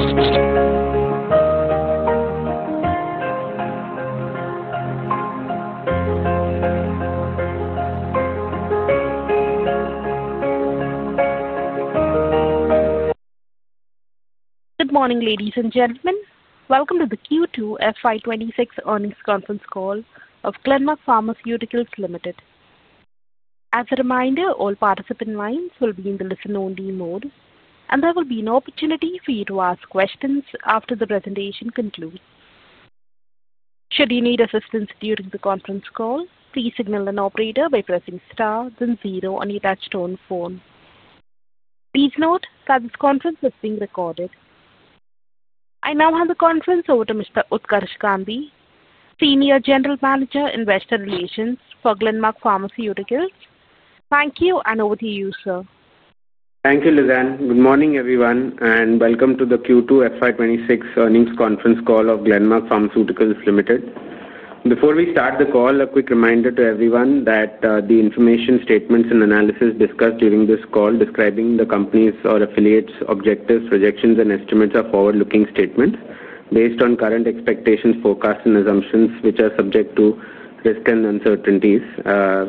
Good morning, ladies and gentlemen. Welcome to the Q2 FY26 earnings conference call of Glenmark Pharmaceuticals Limited. As a reminder, all participant lines will be in the listen-only mode, and there will be no opportunity for you to ask questions after the presentation concludes. Should you need assistance during the conference call, please signal an operator by pressing star then zero on your touchstone phone. Please note that this conference is being recorded. I now hand the conference over to Mr. Utkarsh Gandhi, Senior General Manager in Vesta Relations for Glenmark Pharmaceuticals. Thank you, and over to you, sir. Thank you, Lizanne. Good morning, everyone, and welcome to the Q2 FY26 earnings conference call of Glenmark Pharmaceuticals Limited. Before we start the call, a quick reminder to everyone that the information, statements, and analysis discussed during this call describing the company's or affiliates' objectives, projections, and estimates are forward-looking statements based on current expectations, forecasts, and assumptions, which are subject to risk and uncertainties,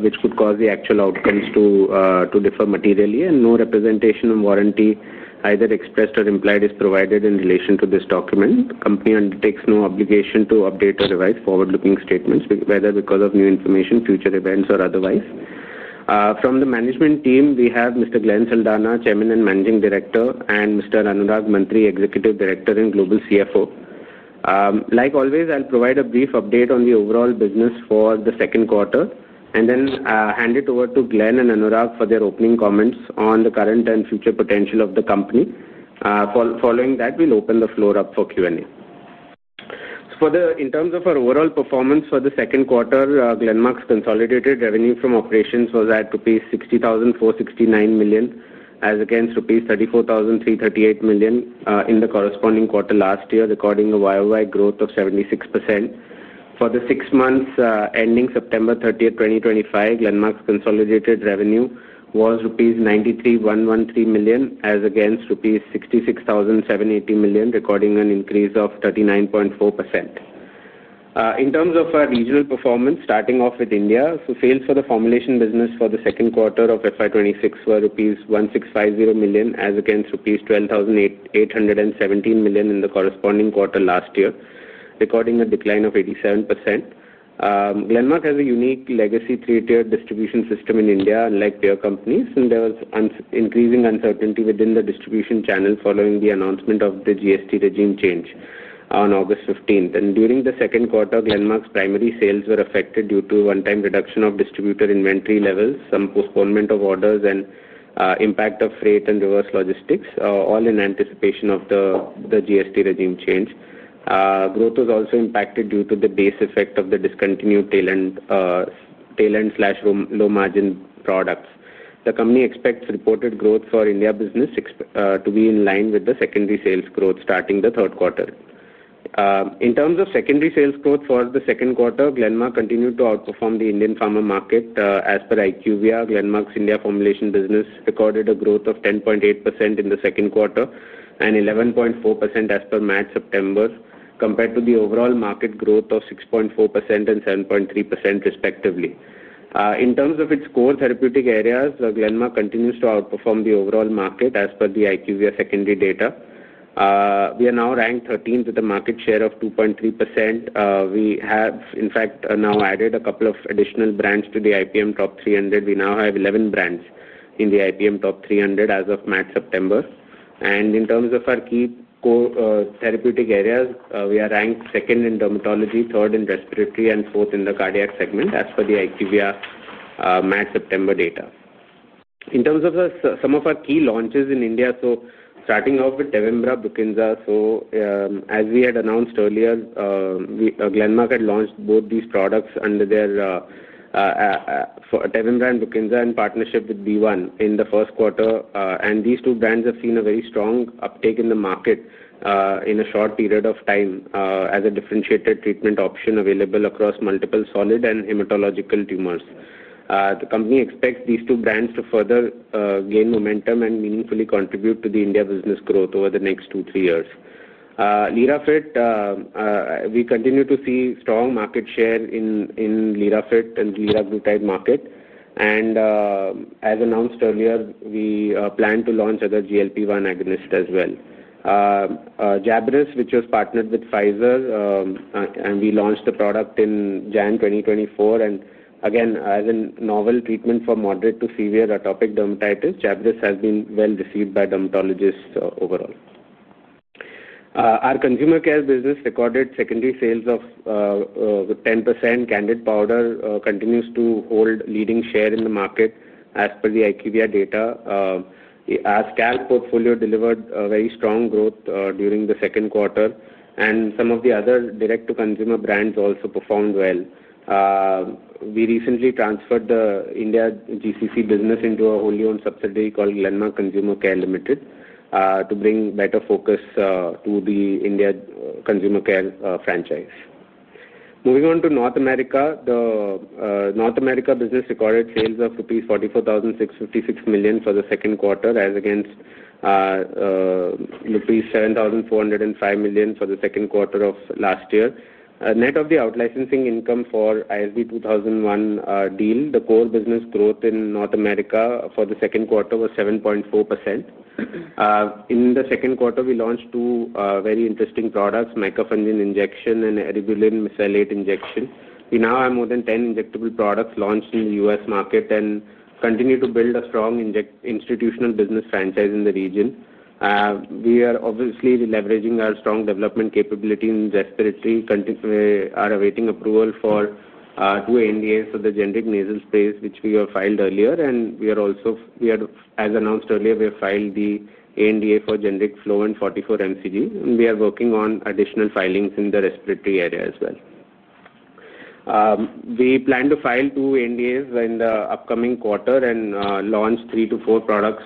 which could cause the actual outcomes to differ materially. No representation and warranty, either expressed or implied, is provided in relation to this document. The company undertakes no obligation to update or revise forward-looking statements, whether because of new information, future events, or otherwise. From the management team, we have Mr. Glenn Saldanha, Chairman and Managing Director, and Mr. Anurag Mantri, Executive Director and Global CFO. Like always, I'll provide a brief update on the overall business for the second quarter, and then hand it over to Glenn and Anurag for their opening comments on the current and future potential of the company. Following that, we'll open the floor up for Q&A. In terms of our overall performance for the second quarter, Glenmark's consolidated revenue from operations was at INR 60,469 million, as against INR 34,338 million in the corresponding quarter last year, recording a YOY growth of 76%. For the six months ending September 30, 2025, Glenmark's consolidated revenue was rupees 93,113 million, as against rupees 66,780 million, recording an increase of 39.4%. In terms of our regional performance, starting off with India, sales for the formulation business for the second quarter of FY26 were rupees 11,650 million, as against rupees 12,817 million in the corresponding quarter last year, recording a decline of 9%. Glenmark has a unique legacy three-tiered distribution system in India, unlike peer companies, and there was increasing uncertainty within the distribution channel following the announcement of the GST regime change on August 15. During the second quarter, Glenmark's primary sales were affected due to one-time reduction of distributor inventory levels, some postponement of orders, and impact of freight and reverse logistics, all in anticipation of the GST regime change. Growth was also impacted due to the base effect of the discontinued tailend/low-margin products. The company expects reported growth for India business to be in line with the secondary sales growth starting the third quarter. In terms of secondary sales growth for the second quarter, Glenmark continued to outperform the Indian pharma market. As per IQVIA, Glenmark's India formulation business recorded a growth of 10.8% in the second quarter and 11.4% as per March/September, compared to the overall market growth of 6.4% and 7.3%, respectively. In terms of its core therapeutic areas, Glenmark continues to outperform the overall market as per the IQVIA secondary data. We are now ranked 13th with a market share of 2.3%. We have, in fact, now added a couple of additional brands to the IPM Top 300. We now have 11 brands in the IPM Top 300 as of March/September. In terms of our key core therapeutic areas, we are ranked second in dermatology, third in respiratory, and fourth in the cardiac segment as per the IQVIA March/September data. In terms of some of our key launches in India, starting off with Tevimbra and Bukinza. As we had announced earlier, Glenmark had launched both these products under their Tevimbra and Bukinza in partnership with B1 in the first quarter. These two brands have seen a very strong uptake in the market in a short period of time as a differentiated treatment option available across multiple solid and hematological tumors. The company expects these two brands to further gain momentum and meaningfully contribute to the India business growth over the next two to three years. Lirafit, we continue to see strong market share in Lirafit and Liraglutide market. As announced earlier, we plan to launch other GLP-1 agonists as well. Jabris, which was partnered with Pfizer, and we launched the product in January 2024. Again, as a novel treatment for moderate to severe atopic dermatitis, Jabris has been well received by dermatologists overall. Our consumer care business recorded secondary sales of 10%. Candid Powder continues to hold leading share in the market as per the IQVIA data. Our scalp portfolio delivered very strong growth during the second quarter, and some of the other direct-to-consumer brands also performed well. We recently transferred the India consumer care business into a wholly-owned subsidiary called Glenmark Consumer Care Limited to bring better focus to the India consumer care franchise. Moving on to North America, the North America business recorded sales of rupees 44,656 million for the second quarter, as against rupees 7,405 million for the second quarter of last year. Net of the outlicensing income for the ISB 2001 deal, the core business growth in North America for the second quarter was 7.4%. In the second quarter, we launched two very interesting products: Mycophenolate injection and Eribulin mesylate injection. We now have more than 10 injectable products launched in the US market and continue to build a strong institutional business franchise in the region. We are obviously leveraging our strong development capability in respiratory. We are awaiting approval for two ANDAs for the generic nasal sprays, which we have filed earlier. We are also, as announced earlier, we have filed the ANDA for generic Flo 44 MCG. We are working on additional filings in the respiratory area as well. We plan to file two ANDAs in the upcoming quarter and launch three to four products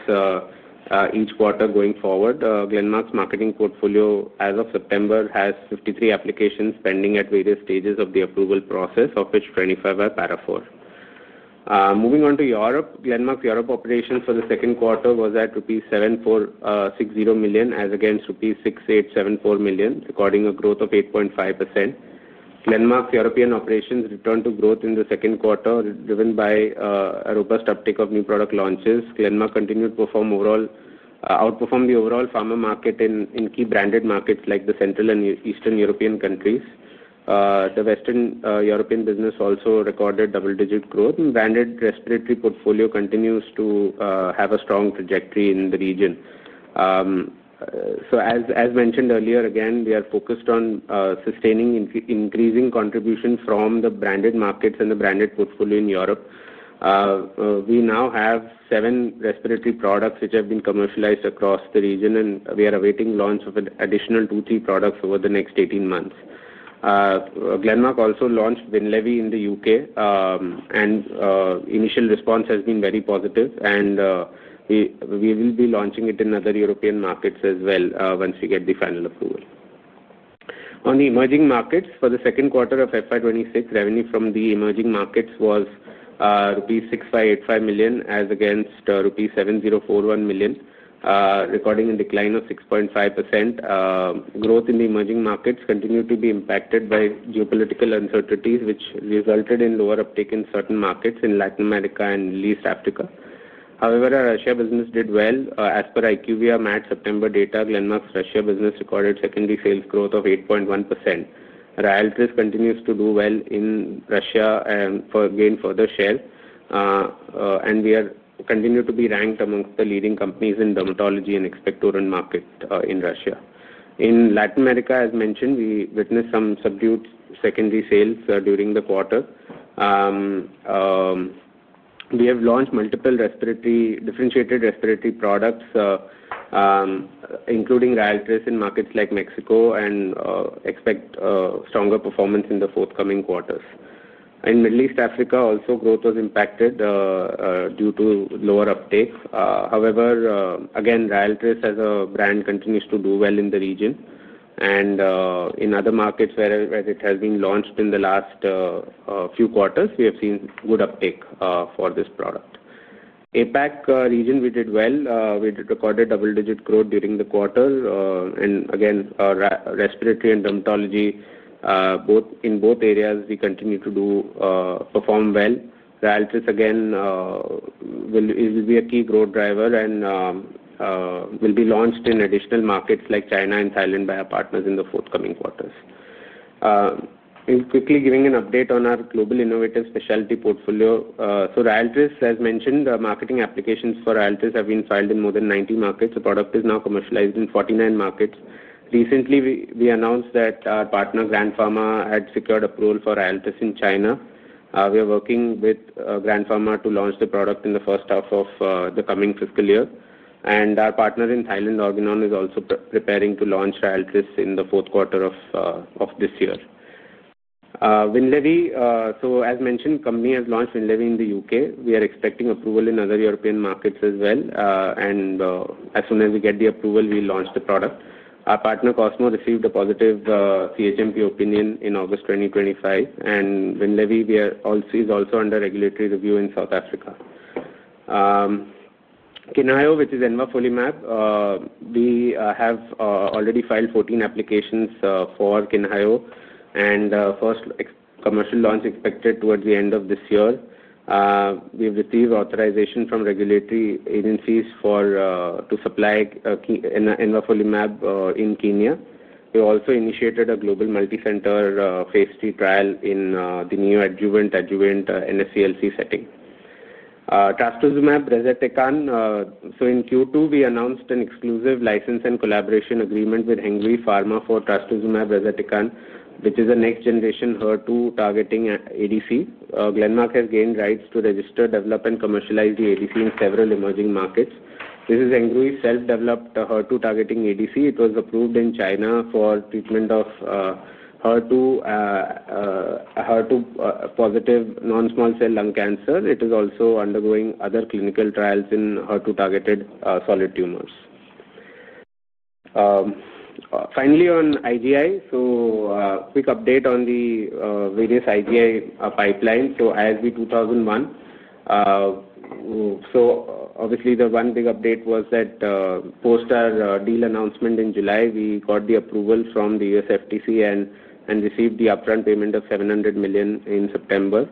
each quarter going forward. Glenmark's marketing portfolio, as of September, has 53 applications pending at various stages of the approval process, of which 25 are para 4. Moving on to Europe, Glenmark's Europe operations for the second quarter was at rupees 7,600 million, as against rupees 6,874 million, recording a growth of 8.5%. Glenmark's European operations returned to growth in the second quarter, driven by a robust uptake of new product launches. Glenmark continued to perform overall, outperform the overall pharma market in key branded markets like the Central and Eastern European countries. The Western European business also recorded double-digit growth. Branded respiratory portfolio continues to have a strong trajectory in the region. As mentioned earlier, again, we are focused on sustaining increasing contribution from the branded markets and the branded portfolio in Europe. We now have seven respiratory products which have been commercialized across the region, and we are awaiting launch of additional two to three products over the next 18 months. Glenmark also launched Winlevi in the U.K., and initial response has been very positive. We will be launching it in other European markets as well once we get the final approval. On the emerging markets, for the second quarter of 2026, revenue from the emerging markets was rupees 6,585 million, as against rupees 7,041 million, recording a decline of 6.5%. Growth in the emerging markets continued to be impacted by geopolitical uncertainties, which resulted in lower uptake in certain markets in Latin America and East Africa. However, our Russia business did well. As per IQVIA March/September data, Glenmark's Russia business recorded secondary sales growth of 8.1%. Rialtris continues to do well in Russia and gain further share. We continue to be ranked amongst the leading companies in dermatology and expectorant market in Russia. In Latin America, as mentioned, we witnessed some subdued secondary sales during the quarter. We have launched multiple differentiated respiratory products, including Rialtris in markets like Mexico, and expect stronger performance in the forthcoming quarters. In Middle East and Africa, also, growth was impacted due to lower uptake. However, again, Rialtris, as a brand, continues to do well in the region. In other markets where it has been launched in the last few quarters, we have seen good uptake for this product. APAC region, we did well. We recorded double-digit growth during the quarter. Respiratory and dermatology, in both areas, we continue to perform well. Rialtris, again, will be a key growth driver and will be launched in additional markets like China and Thailand by our partners in the forthcoming quarters. Quickly giving an update on our global innovative specialty portfolio. Rialtris, as mentioned, marketing applications for Rialtris have been filed in more than 90 markets. The product is now commercialized in 49 markets. Recently, we announced that our partner, Grand Pharma, had secured approval for Rialtris in China. We are working with Grand Pharma to launch the product in the first half of the coming fiscal year. Our partner in Thailand, Argonaut, is also preparing to launch Rialtris in the fourth quarter of this year. Winlevi, so as mentioned, the company has launched Winlevi in the U.K. We are expecting approval in other European markets as well. As soon as we get the approval, we launch the product. Our partner, Cosmo, received a positive CHMP opinion in August 2025. Winlevi, we are also under regulatory review in South Africa. Kinhayo, which is Envaflolimab, we have already filed 14 applications for Kinhayo, and first commercial launch expected towards the end of this year. We have received authorization from regulatory agencies to supply Envaflolimab in Kenya. We also initiated a global multi-center phase three trial in the new adjuvant-adjuvant NSCLC setting. Trastuzumab deruxtecan. In Q2, we announced an exclusive license and collaboration agreement with Hengui Pharma for Trastuzumab deruxtecan, which is a next-generation HER2 targeting ADC. Glenmark has gained rights to register, develop, and commercialize the ADC in several emerging markets. This is Hengui's self-developed HER2 targeting ADC. It was approved in China for treatment of HER2-positive non-small cell lung cancer. It is also undergoing other clinical trials in HER2-targeted solid tumors. Finally, on IGI, quick update on the various IGI pipelines. ISB 2001, obviously, the one big update was that post our deal announcement in July, we got the approval from the U.S. FTC and received the upfront payment of 700 million in September.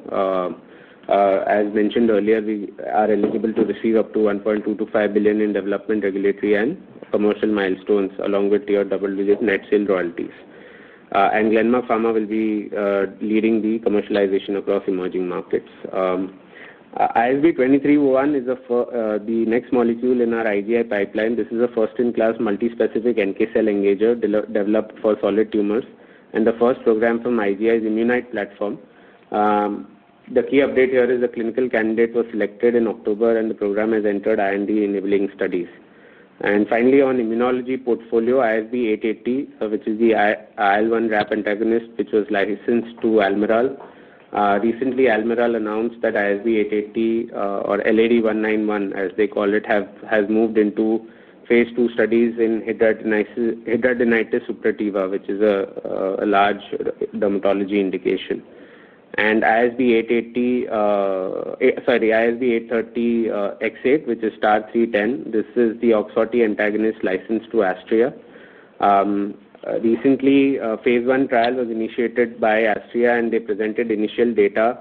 As mentioned earlier, we are eligible to receive up to 1.225 billion in development, regulatory, and commercial milestones, along with tier double-digit net sale royalties. Glenmark Pharma will be leading the commercialization across emerging markets. ISB 2301 is the next molecule in our IGI pipeline. This is a first-in-class multi-specific NK cell engager developed for solid tumors. The first program from IGI is Immunite Platform. The key update here is the clinical candidate was selected in October, and the program has entered IND enabling studies. Finally, on immunology portfolio, ISB 880, which is the IL-1 RAP antagonist, which was licensed to Almiral. Recently, Almiral announced that ISB 880, or LAD 191, as they call it, has moved into phase two studies in hidradenitis suppurativa, which is a large dermatology indication. ISB 880, sorry, ISB 830 X8, which is STAR 310, this is the OX40 antagonist licensed to Astria. Recently, phase I trial was initiated by Astria, and they presented initial data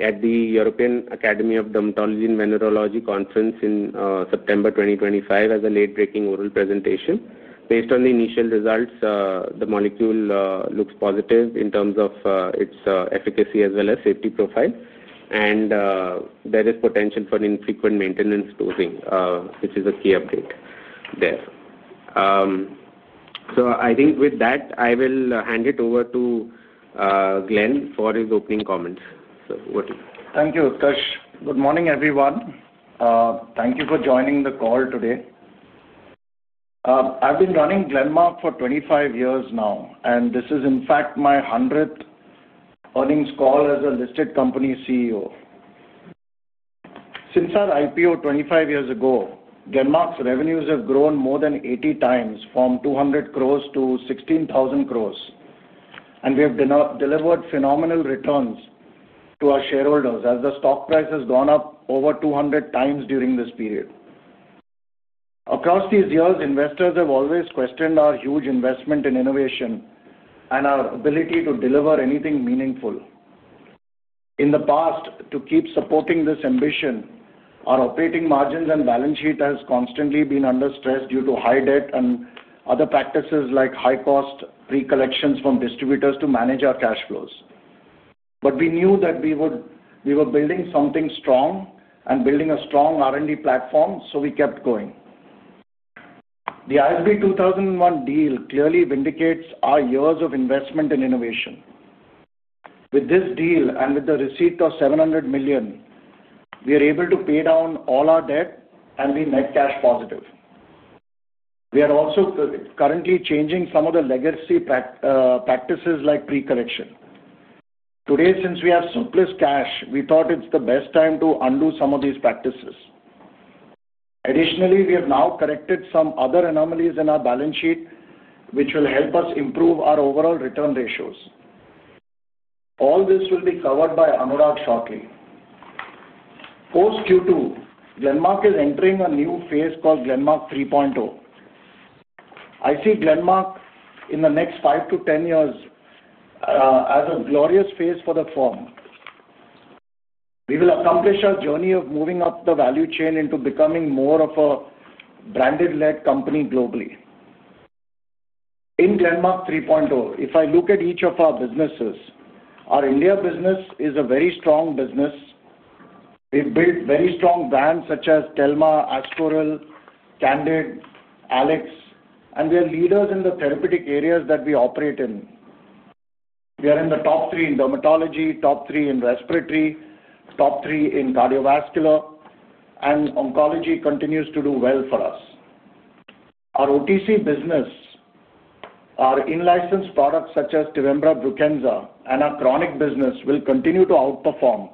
at the European Academy of Dermatology and Venereology Conference in September 2025 as a late-breaking oral presentation. Based on the initial results, the molecule looks positive in terms of its efficacy as well as safety profile. There is potential for infrequent maintenance dosing, which is a key update there. I think with that, I will hand it over to Glenn for his opening comments. Thank you, Utkarsh. Good morning, everyone. Thank you for joining the call today. I've been running Glenmark for 25 years now, and this is, in fact, my 100th earnings call as a listed company CEO. Since our IPO 25 years ago, Glenmark's revenues have grown more than 80 times from 200 crore to 16,000 crore. We have delivered phenomenal returns to our shareholders as the stock price has gone up over 200 times during this period. Across these years, investors have always questioned our huge investment in innovation and our ability to deliver anything meaningful. In the past, to keep supporting this ambition, our operating margins and balance sheet have constantly been under stress due to high debt and other practices like high-cost pre-collections from distributors to manage our cash flows. We knew that we were building something strong and building a strong R&D platform, so we kept going. The ISB 2001 deal clearly vindicates our years of investment in innovation. With this deal and with the receipt of 700 million, we are able to pay down all our debt, and we're net cash positive. We are also currently changing some of the legacy practices like pre-collection. Today, since we have surplus cash, we thought it's the best time to undo some of these practices. Additionally, we have now corrected some other anomalies in our balance sheet, which will help us improve our overall return ratios. All this will be covered by Anurag shortly. Post Q2, Glenmark is entering a new phase called Glenmark 3.0. I see Glenmark in the next 5 to 10 years as a glorious phase for the firm. We will accomplish our journey of moving up the value chain into becoming more of a branded-led company globally. In Glenmark 3.0, if I look at each of our businesses, our India business is a very strong business. We've built very strong brands such as Telma, Astoril, Candid, Alex, and we are leaders in the therapeutic areas that we operate in. We are in the top three in dermatology, top three in respiratory, top three in cardiovascular, and oncology continues to do well for us. Our OTC business, our in-licensed products such as TEVIMBRA, BRUKINSA, and our chronic business will continue to outperform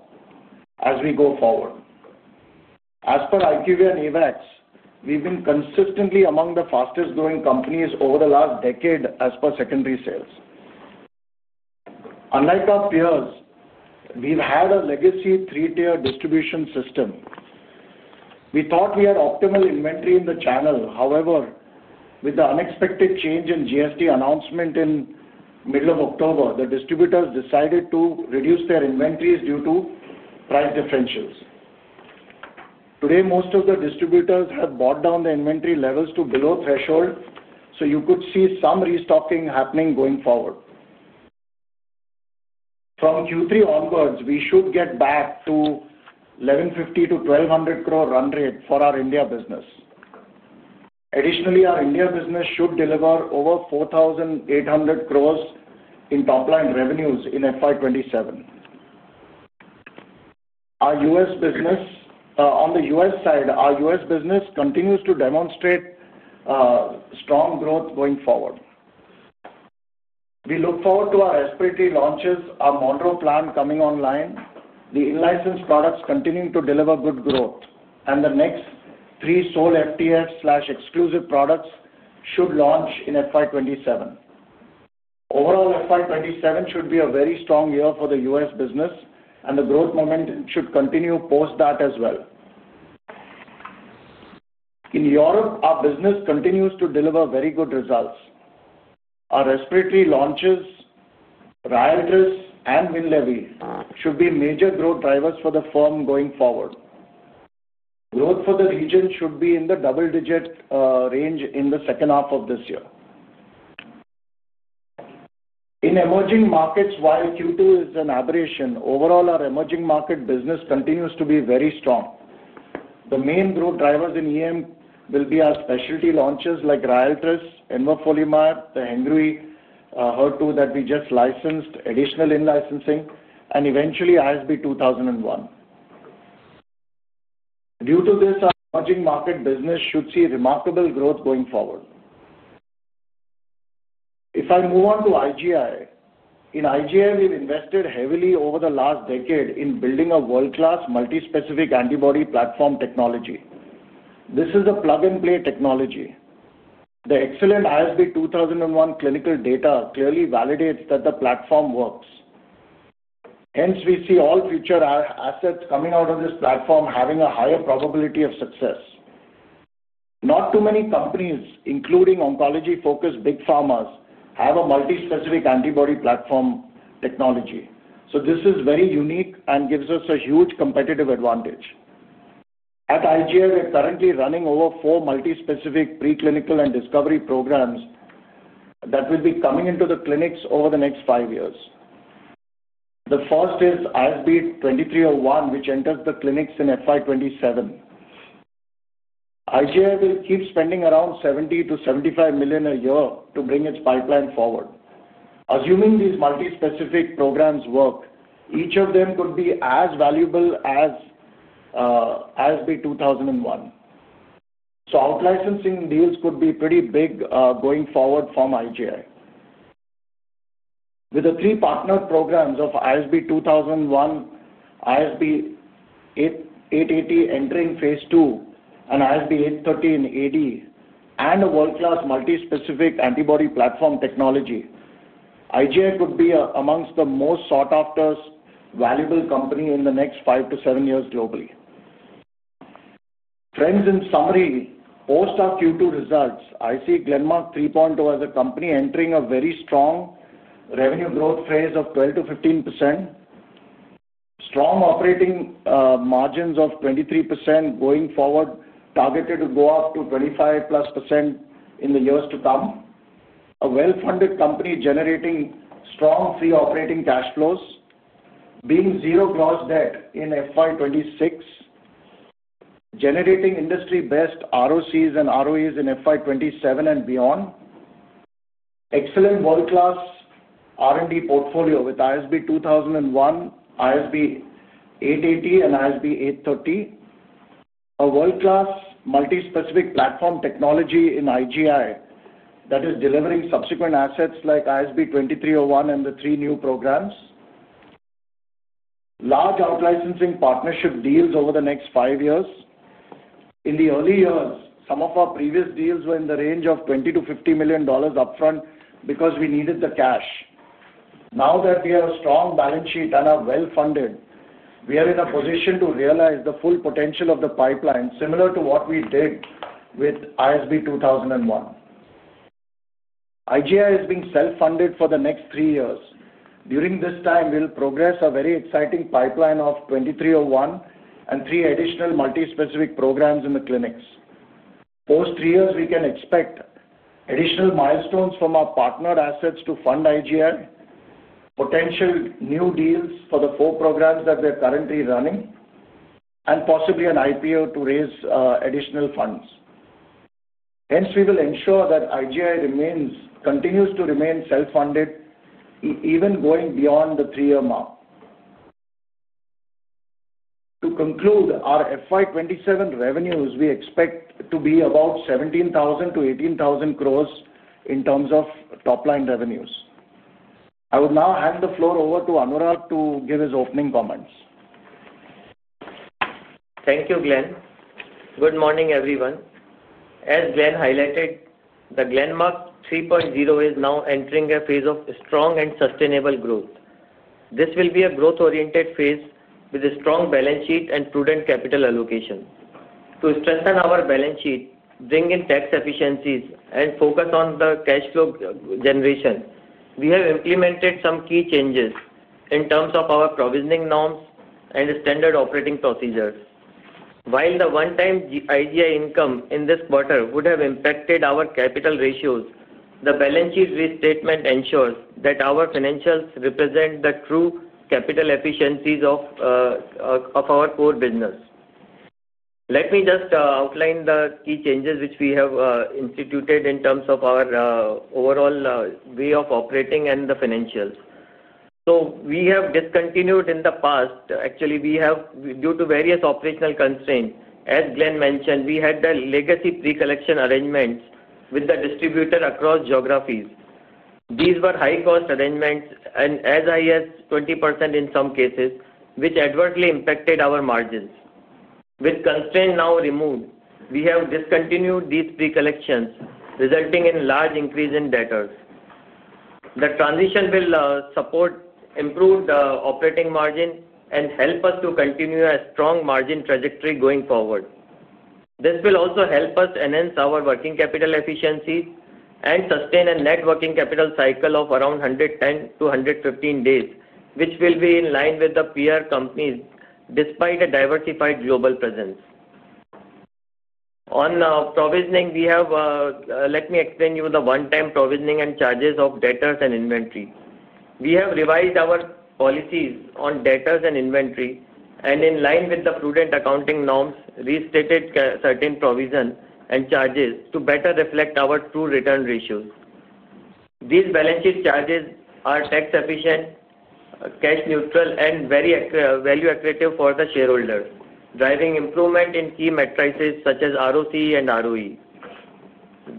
as we go forward. As per IQVIA and Avax, we've been consistently among the fastest-growing companies over the last decade as per secondary sales. Unlike our peers, we've had a legacy three-tier distribution system. We thought we had optimal inventory in the channel. However, with the unexpected change in GST announcement in the middle of October, the distributors decided to reduce their inventories due to price differentials. Today, most of the distributors have brought down the inventory levels to below threshold, so you could see some restocking happening going forward. From Q3 onwards, we should get back to 1,150-1,200 crore run rate for our India business. Additionally, our India business should deliver over 4,800 crore in top-line revenues in FY 2027. Our U.S. business, on the U.S. side, our U.S. business continues to demonstrate strong growth going forward. We look forward to our respiratory launches, our Monroe plan coming online. The in-licensed products continue to deliver good growth, and the next three sole FTF/exclusive products should launch in FY 2027. Overall, FY 2027 should be a very strong year for the U.S. business, and the growth momentum should continue post that as well. In Europe, our business continues to deliver very good results. Our respiratory launches, Rialtris, and Winlevi should be major growth drivers for the firm going forward. Growth for the region should be in the double-digit range in the second half of this year. In emerging markets, while Q2 is an aberration, overall, our emerging market business continues to be very strong. The main growth drivers in EM will be our specialty launches like Rialtris, Envaflolimab, the Hengui HER2 that we just licensed, additional in-licensing, and eventually ISB 2001. Due to this, our emerging market business should see remarkable growth going forward. If I move on to IGI, in IGI, we've invested heavily over the last decade in building a world-class multi-specific antibody platform technology. This is a plug-and-play technology. The excellent ISB 2001 clinical data clearly validates that the platform works. Hence, we see all future assets coming out of this platform having a higher probability of success. Not too many companies, including oncology-focused big pharmas, have a multi-specific antibody platform technology. This is very unique and gives us a huge competitive advantage. At IGI, we're currently running over four multi-specific preclinical and discovery programs that will be coming into the clinics over the next five years. The first is ISB 2301, which enters the clinics in FY 2027. IGI will keep spending 70 million-75 million a year to bring its pipeline forward. Assuming these multi-specific programs work, each of them could be as valuable as ISB 2001. So out-licensing deals could be pretty big going forward from IGI. With the three partner programs of ISB 2001, ISB 880 entering phase two, and ISB 813 AD, and a world-class multi-specific antibody platform technology, IGI could be amongst the most sought-after valuable company in the next five to seven years globally. Friends, in summary, post our Q2 results, I see Glenmark 3.0 as a company entering a very strong revenue growth phase of 12-15%, strong operating margins of 23% going forward, targeted to go up to 25+% in the years to come, a well-funded company generating strong free operating cash flows, being zero gross debt in FY2026, generating industry-best ROCs and ROEs in FY2027 and beyond, excellent world-class R&D portfolio with ISB 2001, ISB 880, and ISB 830, a world-class multi-specific platform technology in IGI that is delivering subsequent assets like ISB 2301 and the three new programs, large out-licensing partnership deals over the next five years. In the early years, some of our previous deals were in the range of INR 20 million-INR 50 million upfront because we needed the cash. Now that we have a strong balance sheet and are well-funded, we are in a position to realize the full potential of the pipeline similar to what we did with ISB 2001. IGI is being self-funded for the next three years. During this time, we'll progress a very exciting pipeline of 2301 and three additional multi-specific programs in the clinics. Post three years, we can expect additional milestones from our partnered assets to fund IGI, potential new deals for the four programs that we're currently running, and possibly an IPO to raise additional funds. Hence, we will ensure that IGI continues to remain self-funded even going beyond the three-year mark. To conclude, our FY2027 revenues, we expect to be about 17,000-18,000 crores in terms of top-line revenues. I will now hand the floor over to Anurag to give his opening comments. Thank you, Glenn. Good morning, everyone. As Glenn highlighted, the Glenmark 3.0 is now entering a phase of strong and sustainable growth. This will be a growth-oriented phase with a strong balance sheet and prudent capital allocation. To strengthen our balance sheet, bring in tax efficiencies, and focus on the cash flow generation, we have implemented some key changes in terms of our provisioning norms and standard operating procedures. While the one-time IGI income in this quarter would have impacted our capital ratios, the balance sheet restatement ensures that our financials represent the true capital efficiencies of our core business. Let me just outline the key changes which we have instituted in terms of our overall way of operating and the financials. We have discontinued in the past, actually, due to various operational constraints. As Glenn mentioned, we had the legacy pre-collection arrangements with the distributor across geographies. These were high-cost arrangements and as high as 20% in some cases, which adversely impacted our margins. With constraints now removed, we have discontinued these pre-collections, resulting in a large increase in debtors. The transition will support, improve the operating margin, and help us to continue a strong margin trajectory going forward. This will also help us enhance our working capital efficiencies and sustain a net working capital cycle of around 110-115 days, which will be in line with the peer companies despite a diversified global presence. On provisioning, let me explain to you the one-time provisioning and charges of debtors and inventory. We have revised our policies on debtors and inventory and, in line with the prudent accounting norms, restated certain provision and charges to better reflect our true return ratios. These balance sheet charges are tax-efficient, cash-neutral, and very value-accretive for the shareholders, driving improvement in key metrics such as ROC and ROE.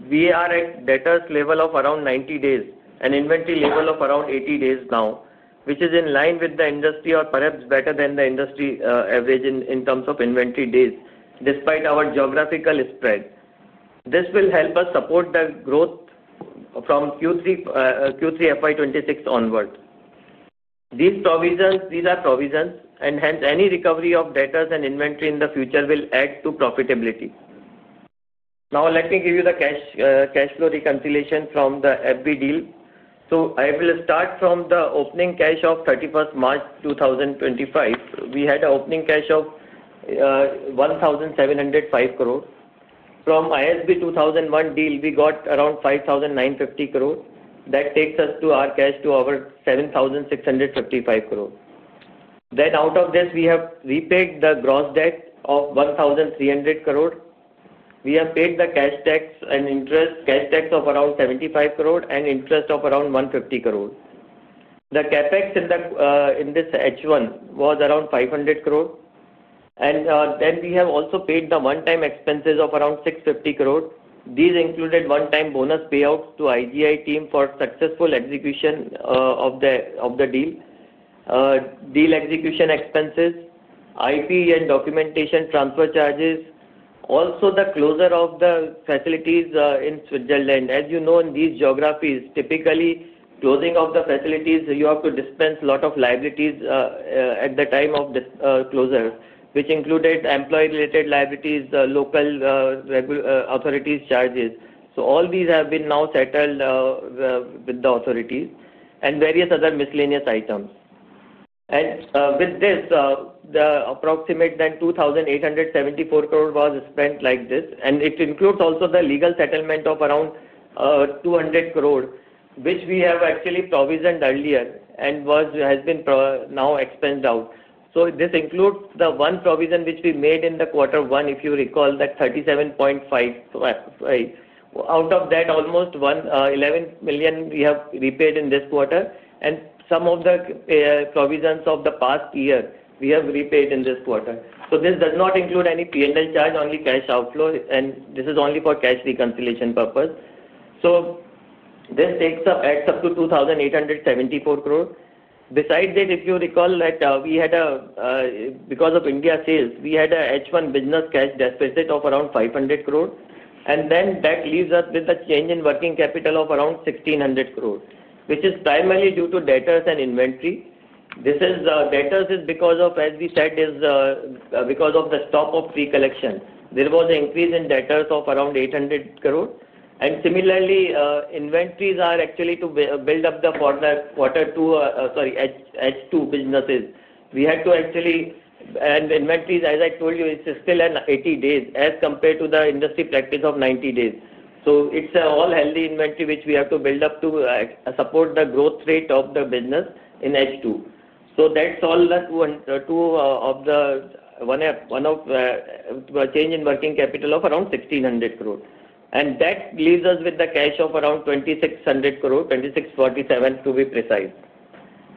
We are at debtors' level of around 90 days and inventory level of around 80 days now, which is in line with the industry or perhaps better than the industry average in terms of inventory days despite our geographical spread. This will help us support the growth from Q3, FY26 onward. These are provisions, and hence, any recovery of debtors and inventory in the future will add to profitability. Now, let me give you the cash flow reconciliation from the FB deal. I will start from the opening cash of 31 March 2025. We had an opening cash of 1,705 crore. From ISB 2001 deal, we got around 5,950 crore. That takes us to our cash to our 7,655 crore. Out of this, we have repaid the gross debt of 1,300 crore. We have paid the cash tax and interest, cash tax of around 75 crore and interest of around 150 crore. The capex in this H1 was around 500 crore. We have also paid the one-time expenses of around 650 crore. These included one-time bonus payouts to IGI team for successful execution of the deal, deal execution expenses, IP and documentation transfer charges, also the closure of the facilities in Switzerland. As you know, in these geographies, typically, closing of the facilities, you have to dispense a lot of liabilities at the time of closure, which included employee-related liabilities, local authorities charges. All these have been now settled with the authorities and various other miscellaneous items. With this, the approximate 2,874 crore was spent like this. It includes also the legal settlement of around 2,000,000,000, which we have actually provisioned earlier and has been now expensed out. This includes the one provision which we made in quarter one, if you recall, that 37.55. Out of that, almost 11,000,000 we have repaid in this quarter, and some of the provisions of the past year we have repaid in this quarter. This does not include any P&L charge, only cash outflow, and this is only for cash reconciliation purpose. This adds up to 28,740,000,000. Besides that, if you recall that we had a, because of India sales, we had an H1 business cash deficit of around 5,000,000,000. That leaves us with a change in working capital of around 16,000,000,000, which is primarily due to debtors and inventory. This is debtors because of, as we said, because of the stop of pre-collection. There was an increase in debtors of around 800 crore. Similarly, inventories are actually to build up the quarter two, sorry, H2 businesses. We had to actually, and inventories, as I told you, it is still at 80 days as compared to the industry practice of 90 days. It is all healthy inventory which we have to build up to support the growth rate of the business in H2. That is all that two of the one of change in working capital of around 1,600 crore. That leaves us with the cash of around 2,600 crore, 2,647 crore to be precise.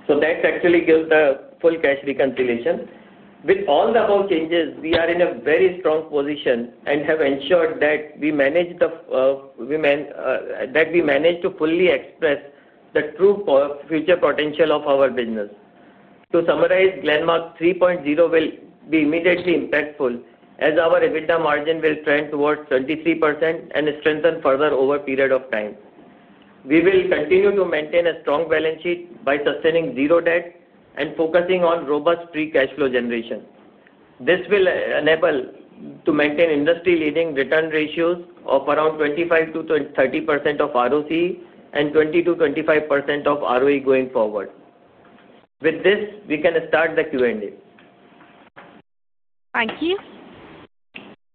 That actually gives the full cash reconciliation. With all the above changes, we are in a very strong position and have ensured that we managed to fully express the true future potential of our business. To summarize, Glenmark 3.0 will be immediately impactful as our EBITDA margin will trend towards 23% and strengthen further over a period of time. We will continue to maintain a strong balance sheet by sustaining zero debt and focusing on robust free cash flow generation. This will enable to maintain industry-leading return ratios of around 25-30% of ROC and 20-25% of ROE going forward. With this, we can start the Q&A. Thank you.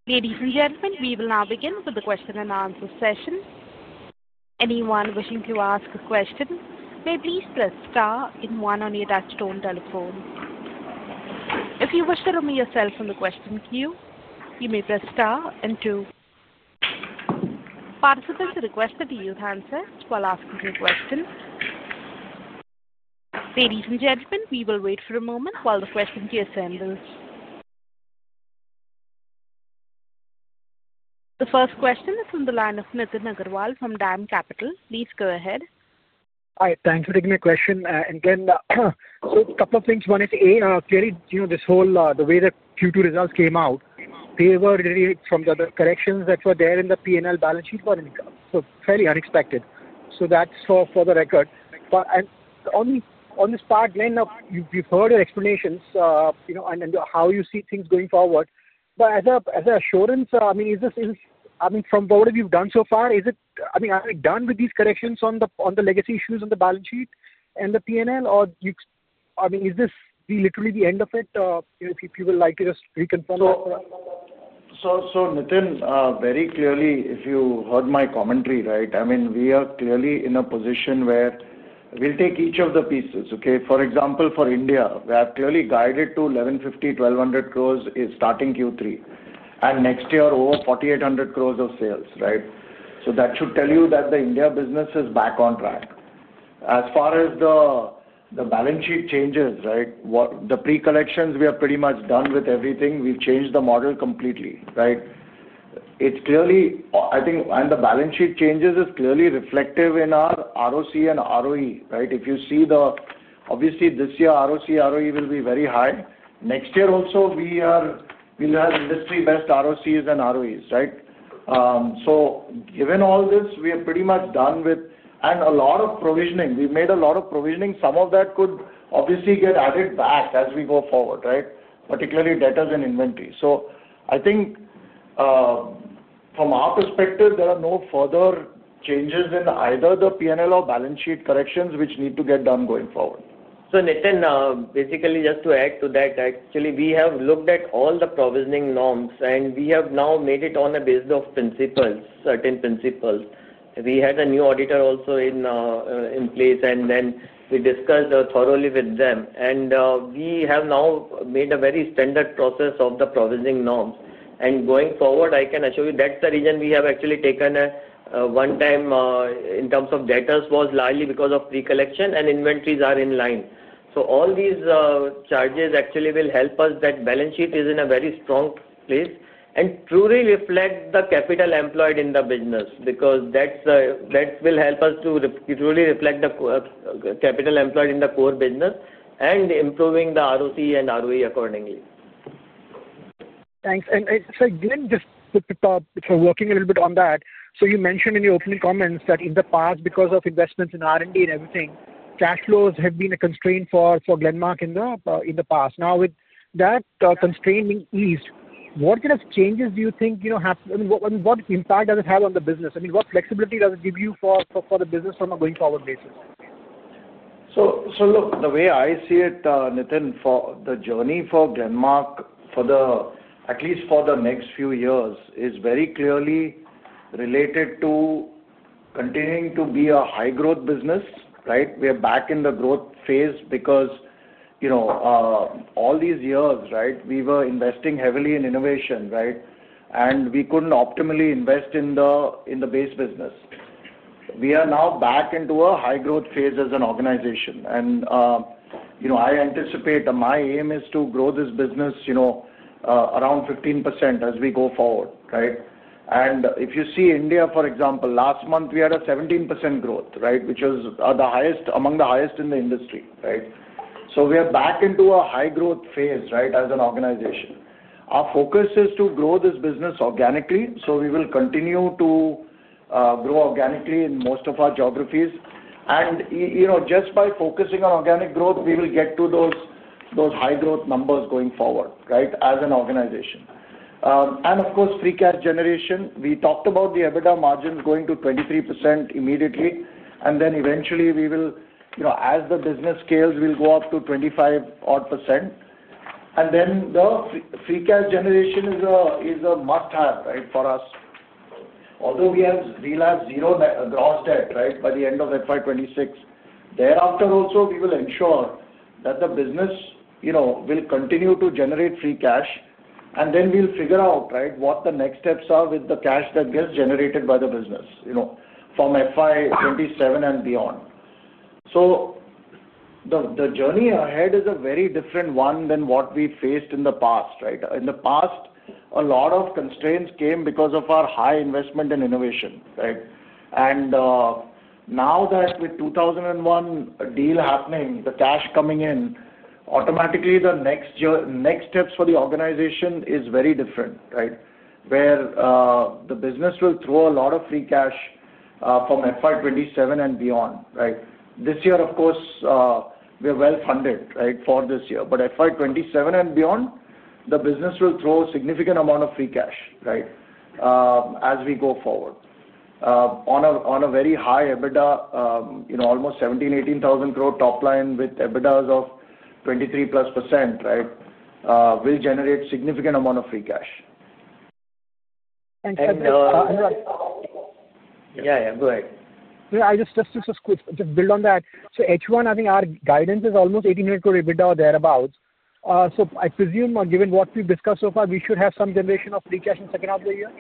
Ladies and gentlemen, we will now begin with the question and answer session. Anyone wishing to ask a question may please press star and one on your touchstone telephone. If you wish to remain yourself on the question queue, you may press star and two. Participants are requested to yield answers while asking your question. Ladies and gentlemen, we will wait for a moment while the question queue assembles. The first question is from the line of Nithin Agrawal from DAM Capital. Please go ahead. Hi, thanks for taking my question. Glenn, a couple of things. One is, clearly, this whole, the way the Q2 results came out, they were really from the corrections that were there in the P&L balance sheet were fairly unexpected. That is for the record. On this part, Glenn, you have heard your explanations and how you see things going forward. But as an assurance, I mean, is this, I mean, from what have you done so far, is it, I mean, are we done with these corrections on the legacy issues on the balance sheet and the P&L, or I mean, is this literally the end of it? If you would like to just reconfirm that. Nitin, very clearly, if you heard my commentary, right, I mean, we are clearly in a position where we'll take each of the pieces, okay? For example, for India, we are clearly guided to 1,150 crore-1,200 crore starting Q3, and next year, over 4,800 crore of sales, right? That should tell you that the India business is back on track. As far as the balance sheet changes, right, the pre-collections, we are pretty much done with everything. We've changed the model completely, right? It's clearly, I think, and the balance sheet changes is clearly reflective in our ROC and ROE, right? If you see the, obviously, this year, ROC, ROE will be very high. Next year also, we will have industry-best ROCs and ROEs, right? Given all this, we are pretty much done with, and a lot of provisioning. We've made a lot of provisioning. Some of that could obviously get added back as we go forward, right? Particularly debtors and inventory. I think, from our perspective, there are no further changes in either the P&L or balance sheet corrections which need to get done going forward. Nithin, basically, just to add to that, actually, we have looked at all the provisioning norms, and we have now made it on a basis of principles, certain principles. We had a new auditor also in place, and then we discussed thoroughly with them. We have now made a very standard process of the provisioning norms. Going forward, I can assure you that's the reason we have actually taken a one-time in terms of debtors was largely because of pre-collection, and inventories are in line. All these charges actually will help us that balance sheet is in a very strong place and truly reflect the capital employed in the business because that will help us to truly reflect the capital employed in the core business and improving the ROC and ROE accordingly. Thanks. Glenn, just to talk, working a little bit on that, you mentioned in your opening comments that in the past, because of investments in R&D and everything, cash flows have been a constraint for Glenmark in the past. Now, with that constraint being eased, what kind of changes do you think, I mean, what impact does it have on the business? I mean, what flexibility does it give you for the business from a going forward basis? Look, the way I see it, Nitin, for the journey for Glenmark, at least for the next few years, is very clearly related to continuing to be a high-growth business, right? We are back in the growth phase because all these years, right, we were investing heavily in innovation, right? And we could not optimally invest in the base business. We are now back into a high-growth phase as an organization. I anticipate my aim is to grow this business around 15% as we go forward, right? If you see India, for example, last month, we had a 17% growth, which was among the highest in the industry, right? We are back into a high-growth phase, right, as an organization. Our focus is to grow this business organically, so we will continue to grow organically in most of our geographies. Just by focusing on organic growth, we will get to those high-growth numbers going forward, right, as an organization. Of course, free cash generation, we talked about the EBITDA margin going to 23% immediately. Eventually, as the business scales, we'll go up to 25%. The free cash generation is a must-have, right, for us. Although we have realized zero gross debt, right, by the end of FY26, thereafter also, we will ensure that the business will continue to generate free cash, and then we'll figure out, right, what the next steps are with the cash that gets generated by the business from FY27 and beyond. The journey ahead is a very different one than what we faced in the past, right? In the past, a lot of constraints came because of our high investment and innovation, right? Now that with 2001 deal happening, the cash coming in, automatically, the next steps for the organization is very different, right, where the business will throw a lot of free cash from FY27 and beyond, right? This year, of course, we are well funded, right, for this year. FY27 and beyond, the business will throw a significant amount of free cash, right, as we go forward. On a very high EBITDA, almost 17,000-18,000 crore top line with EBITDAs of 23% plus, right, will generate a significant amount of free cash. Yeah, yeah, go ahead. Yeah, just to build on that. H1, I think our guidance is almost 1,800 crore EBITDA or thereabouts. I presume, given what we've discussed so far, we should have some generation of free cash in the second half of the year?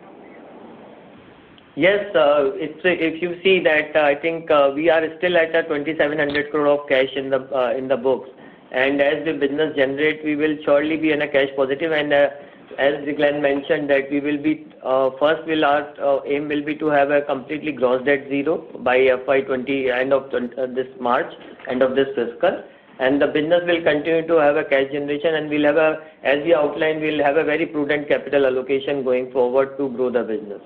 Yes. If you see that, I think we are still at 2,700 crore of cash in the books. As the business generates, we will surely be in a cash positive as Glenn mentioned, our aim will be to have a completely gross debt zero by end of this March, end of this fiscal. The business will continue to have a cash generation, and we'll have a, as we outlined, we'll have a very prudent capital allocation going forward to grow the business.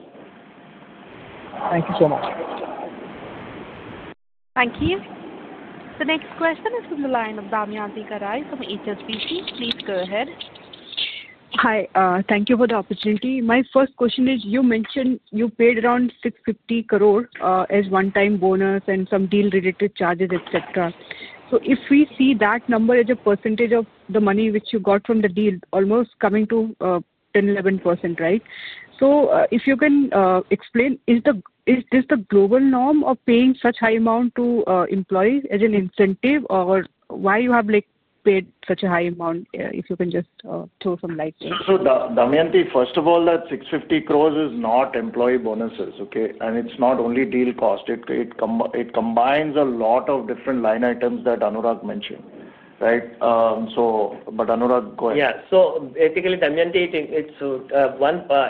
Thank you so much. Thank you. The next question is from the line of Damayanti Kerai from HSBC. Please go ahead. Hi. Thank you for the opportunity. My first question is, you mentioned you paid around 650 crore as one-time bonus and some deal-related charges, etc. If we see that number as a percentage of the money which you got from the deal, almost coming to 10-11%, right? If you can explain, is this the global norm of paying such high amount to employees as an incentive, or why you have paid such a high amount, if you can just throw some light on it? Damayanti, first of all, that 650 crore is not employee bonuses, okay? It's not only deal cost. It combines a lot of different line items that Anurag mentioned, right? Anurag, go ahead. Yeah. Basically, Damayanti,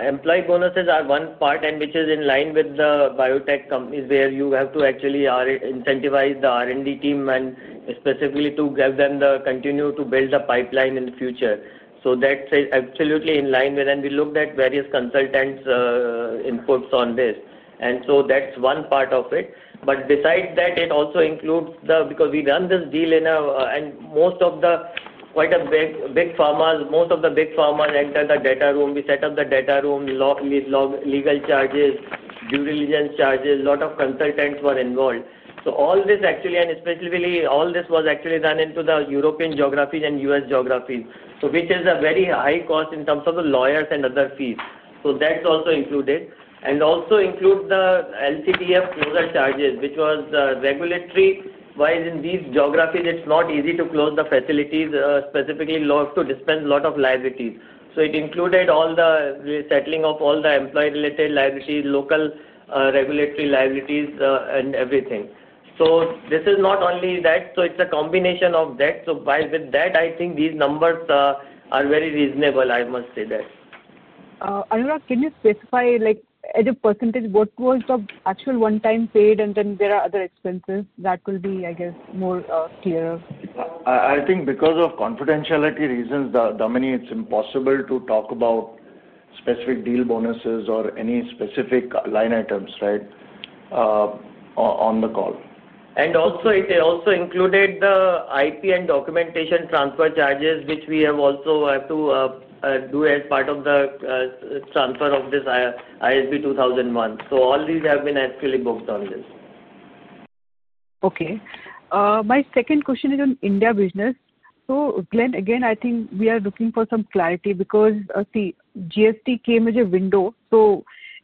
employee bonuses are one part, which is in line with the biotech companies where you have to actually incentivize the R&D team and specifically to give them the continue to build the pipeline in the future. That's absolutely in line with, and we looked at various consultants' inputs on this. That's one part of it. Besides that, it also includes the, because we run this deal in a, and most of the quite big pharmas, most of the big pharmas enter the data room. We set up the data room, legal charges, due diligence charges, a lot of consultants were involved. All this actually, and especially all this was actually done into the European geographies and U.S. geographies, which is a very high cost in terms of the lawyers and other fees. That is also included. It also includes the LCDF closure charges, which was regulatory-wise in these geographies, it's not easy to close the facilities, specifically to dispense a lot of liabilities. It included all the settling of all the employee-related liabilities, local regulatory liabilities, and everything. This is not only that, so it's a combination of that. With that, I think these numbers are very reasonable, I must say that. Anurag, can you specify as a percentage, what was the actual one-time paid, and then there are other expenses that will be, I guess, more clearer? I think because of confidentiality reasons, Damayanti, it's impossible to talk about specific deal bonuses or any specific line items, right, on the call. It also included the IP and documentation transfer charges, which we have also had to do as part of the transfer of this ISB 2001. All these have been actually booked on this. Okay. My second question is on India business. Glenn, again, I think we are looking for some clarity because GST came as a window.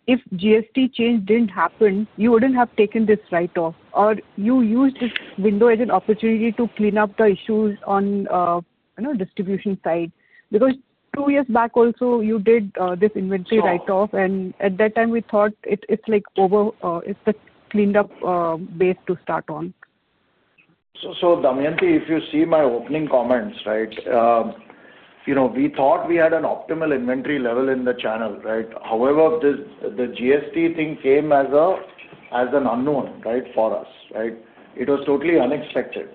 If GST change did not happen, you would not have taken this write-off, or you used this window as an opportunity to clean up the issues on the distribution side. Because two years back also, you did this inventory write-off, and at that time, we thought it is like over, it is a cleaned-up base to start on. Damayanti, if you see my opening comments, right, we thought we had an optimal inventory level in the channel, right? However, the GST thing came as an unknown, right, for us, right? It was totally unexpected,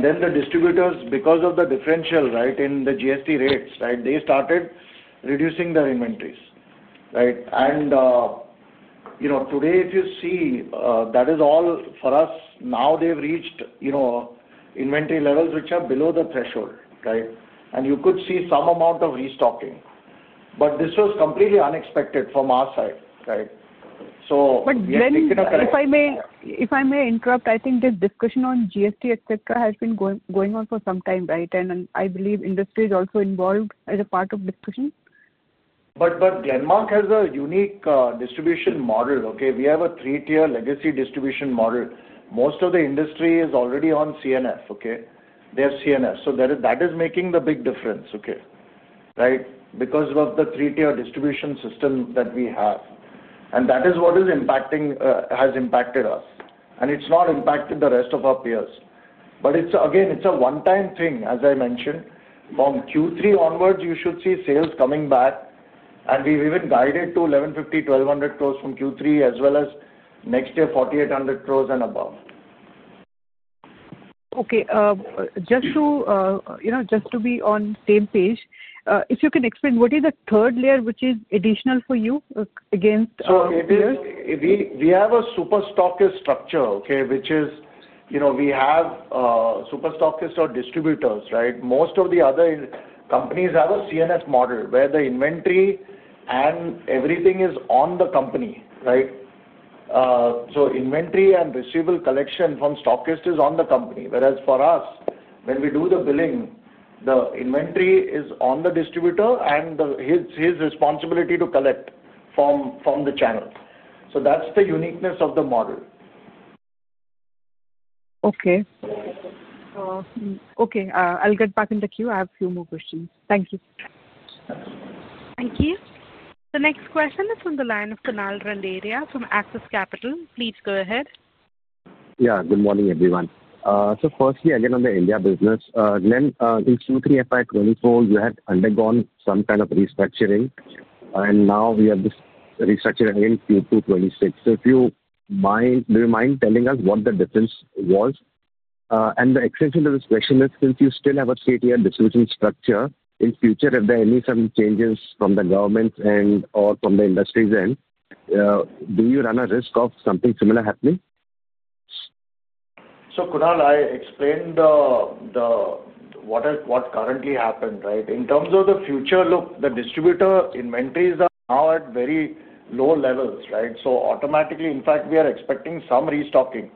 right? The distributors, because of the differential, right, in the GST rates, right, they started reducing their inventories, right? Today, if you see, that is all for us. Now they have reached inventory levels which are below the threshold, right? You could see some amount of restocking. This was completely unexpected from our side, right? Glenn, if I may interrupt, I think this discussion on GST, etc., has been going on for some time, right? I believe industry is also involved as a part of discussion. Glenmark has a unique distribution model, okay? We have a three-tier legacy distribution model. Most of the industry is already on CNF, okay? They have CNF. That is making the big difference, okay? Right? Because of the three-tier distribution system that we have. That is what has impacted us. It has not impacted the rest of our peers. Again, it is a one-time thing, as I mentioned. From Q3 onwards, you should see sales coming back. We have even guided to 1,150-1,200 crore from Q3, as well as next year, 4,800 crore and above. Just to be on the same page, if you can explain, what is the third layer which is additional for you against peers? We have a superstockist structure, okay, which is we have superstockists or distributors, right? Most of the other companies have a CNF model where the inventory and everything is on the company, right? Inventory and receivable collection from stockist is on the company. Whereas for us, when we do the billing, the inventory is on the distributor, and it is his responsibility to collect from the channel. That is the uniqueness of the model. Okay. Okay. I'll get back in the queue. I have a few more questions. Thank you. Thank you. The next question is from the line of Kunal Renderia from Axis Capital. Please go ahead. Yeah. Good morning, everyone. Firstly, again, on the India business, Glenn, in Q3 FY2024, you had undergone some kind of restructuring, and now we have this restructuring in Q2 2026. Do you mind telling us what the difference was? The extension of the question is, since you still have a three-tier distribution structure, in future, if there are any sudden changes from the government or from the industry's end, do you run a risk of something similar happening? Kunal, I explained what currently happened, right? In terms of the future, look, the distributor inventories are now at very low levels, right? Automatically, in fact, we are expecting some restocking.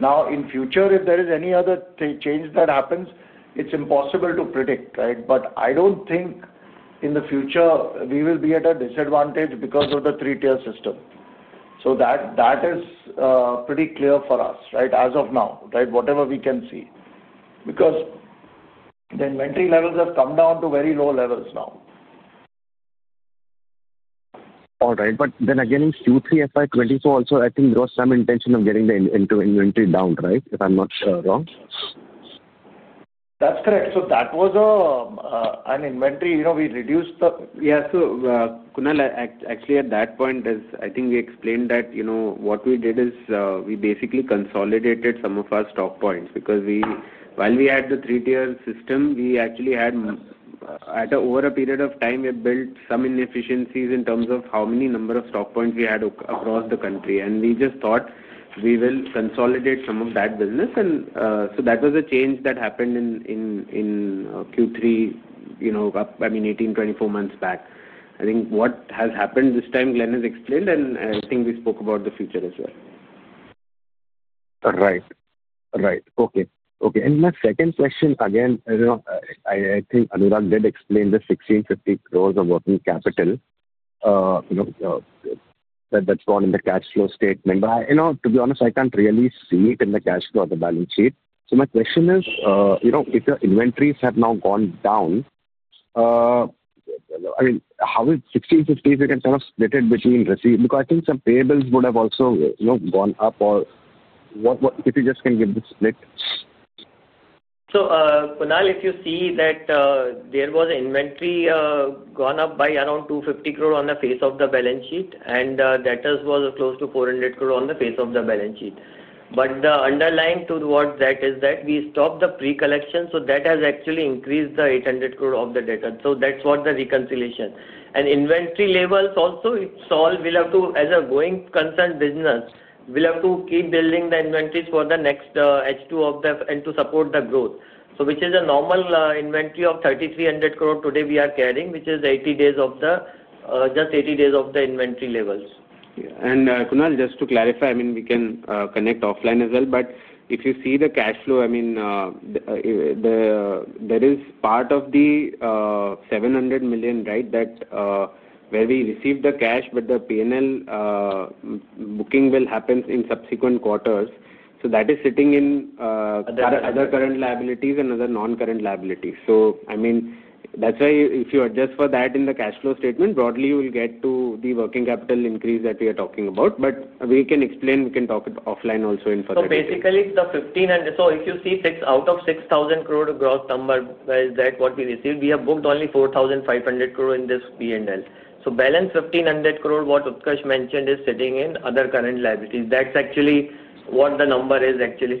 In future, if there is any other change that happens, it is impossible to predict, right? I do not think in the future we will be at a disadvantage because of the three-tier system. That is pretty clear for us, right, as of now, right, whatever we can see. Because the inventory levels have come down to very low levels now. All right. Then again, in Q3 FY2024 also, I think there was some intention of getting the inventory down, right, if I'm not wrong? That's correct. That was an inventory we reduced. Yeah. Kunal, actually, at that point, I think we explained that what we did is we basically consolidated some of our stock points. While we had the three-tier system, we actually had, over a period of time, built some inefficiencies in terms of how many stock points we had across the country. We just thought we would consolidate some of that business. That was a change that happened in Q3, I mean, 18-24 months back. I think what has happened this time, Glenn has explained, and I think we spoke about the future as well. Right. Okay. Okay. My second question, again, I think Anurag did explain the 1,650 crore of working capital that's gone in the cash flow statement. To be honest, I can't really see it in the cash flow of the balance sheet. My question is, if the inventories have now gone down, I mean, how is 1,650? You can kind of split it between receivables. I think some payables would have also gone up or what if you just can give the split? Kunal, if you see that there was an inventory gone up by around 250 crore on the face of the balance sheet, and debtors were close to 400 crore on the face of the balance sheet. The underlying to what that is that we stopped the pre-collection, so that has actually increased the 8,000,000,000 of the debtors. That is what the reconciliation. Inventory levels also, it's all we'll have to, as a going concern business, we'll have to keep building the inventories for the next H2 of the and to support the growth. Which is a normal inventory of 33,000,000,000 today we are carrying, which is 80 days of the just 80 days of the inventory levels. Yeah. Kunal, just to clarify, I mean, we can connect offline as well. If you see the cash flow, I mean, there is part of the 700,000,000, right, where we received the cash, but the P&L booking will happen in subsequent quarters. That is sitting in other current liabilities and other non-current liabilities. I mean, that's why if you adjust for that in the cash flow statement, broadly, you will get to the working capital increase that we are talking about. We can explain, we can talk it offline also in further detail. Basically, it's the 1,500. If you see, out of the 6,000 crore gross number, is that what we received? We have booked only 4,500 crore in this P&L. Balance 1,500 crore, what Utkarsh mentioned, is sitting in other current liabilities. That's actually what the number is, actually.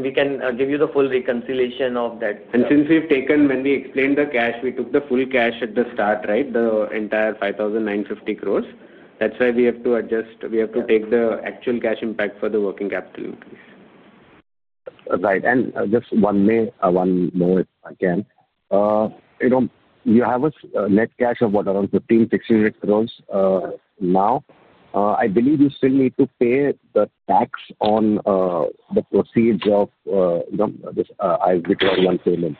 We can give you the full reconciliation of that. Since we've taken, when we explained the cash, we took the full cash at the start, right, the entire 5,950 crore. That's why we have to adjust. We have to take the actual cash impact for the working capital increase. Right. Just one more thing, again. You have a net cash of what, around 1,568 crore now. I believe you still need to pay the tax on the proceeds of the ISB 2001 payment.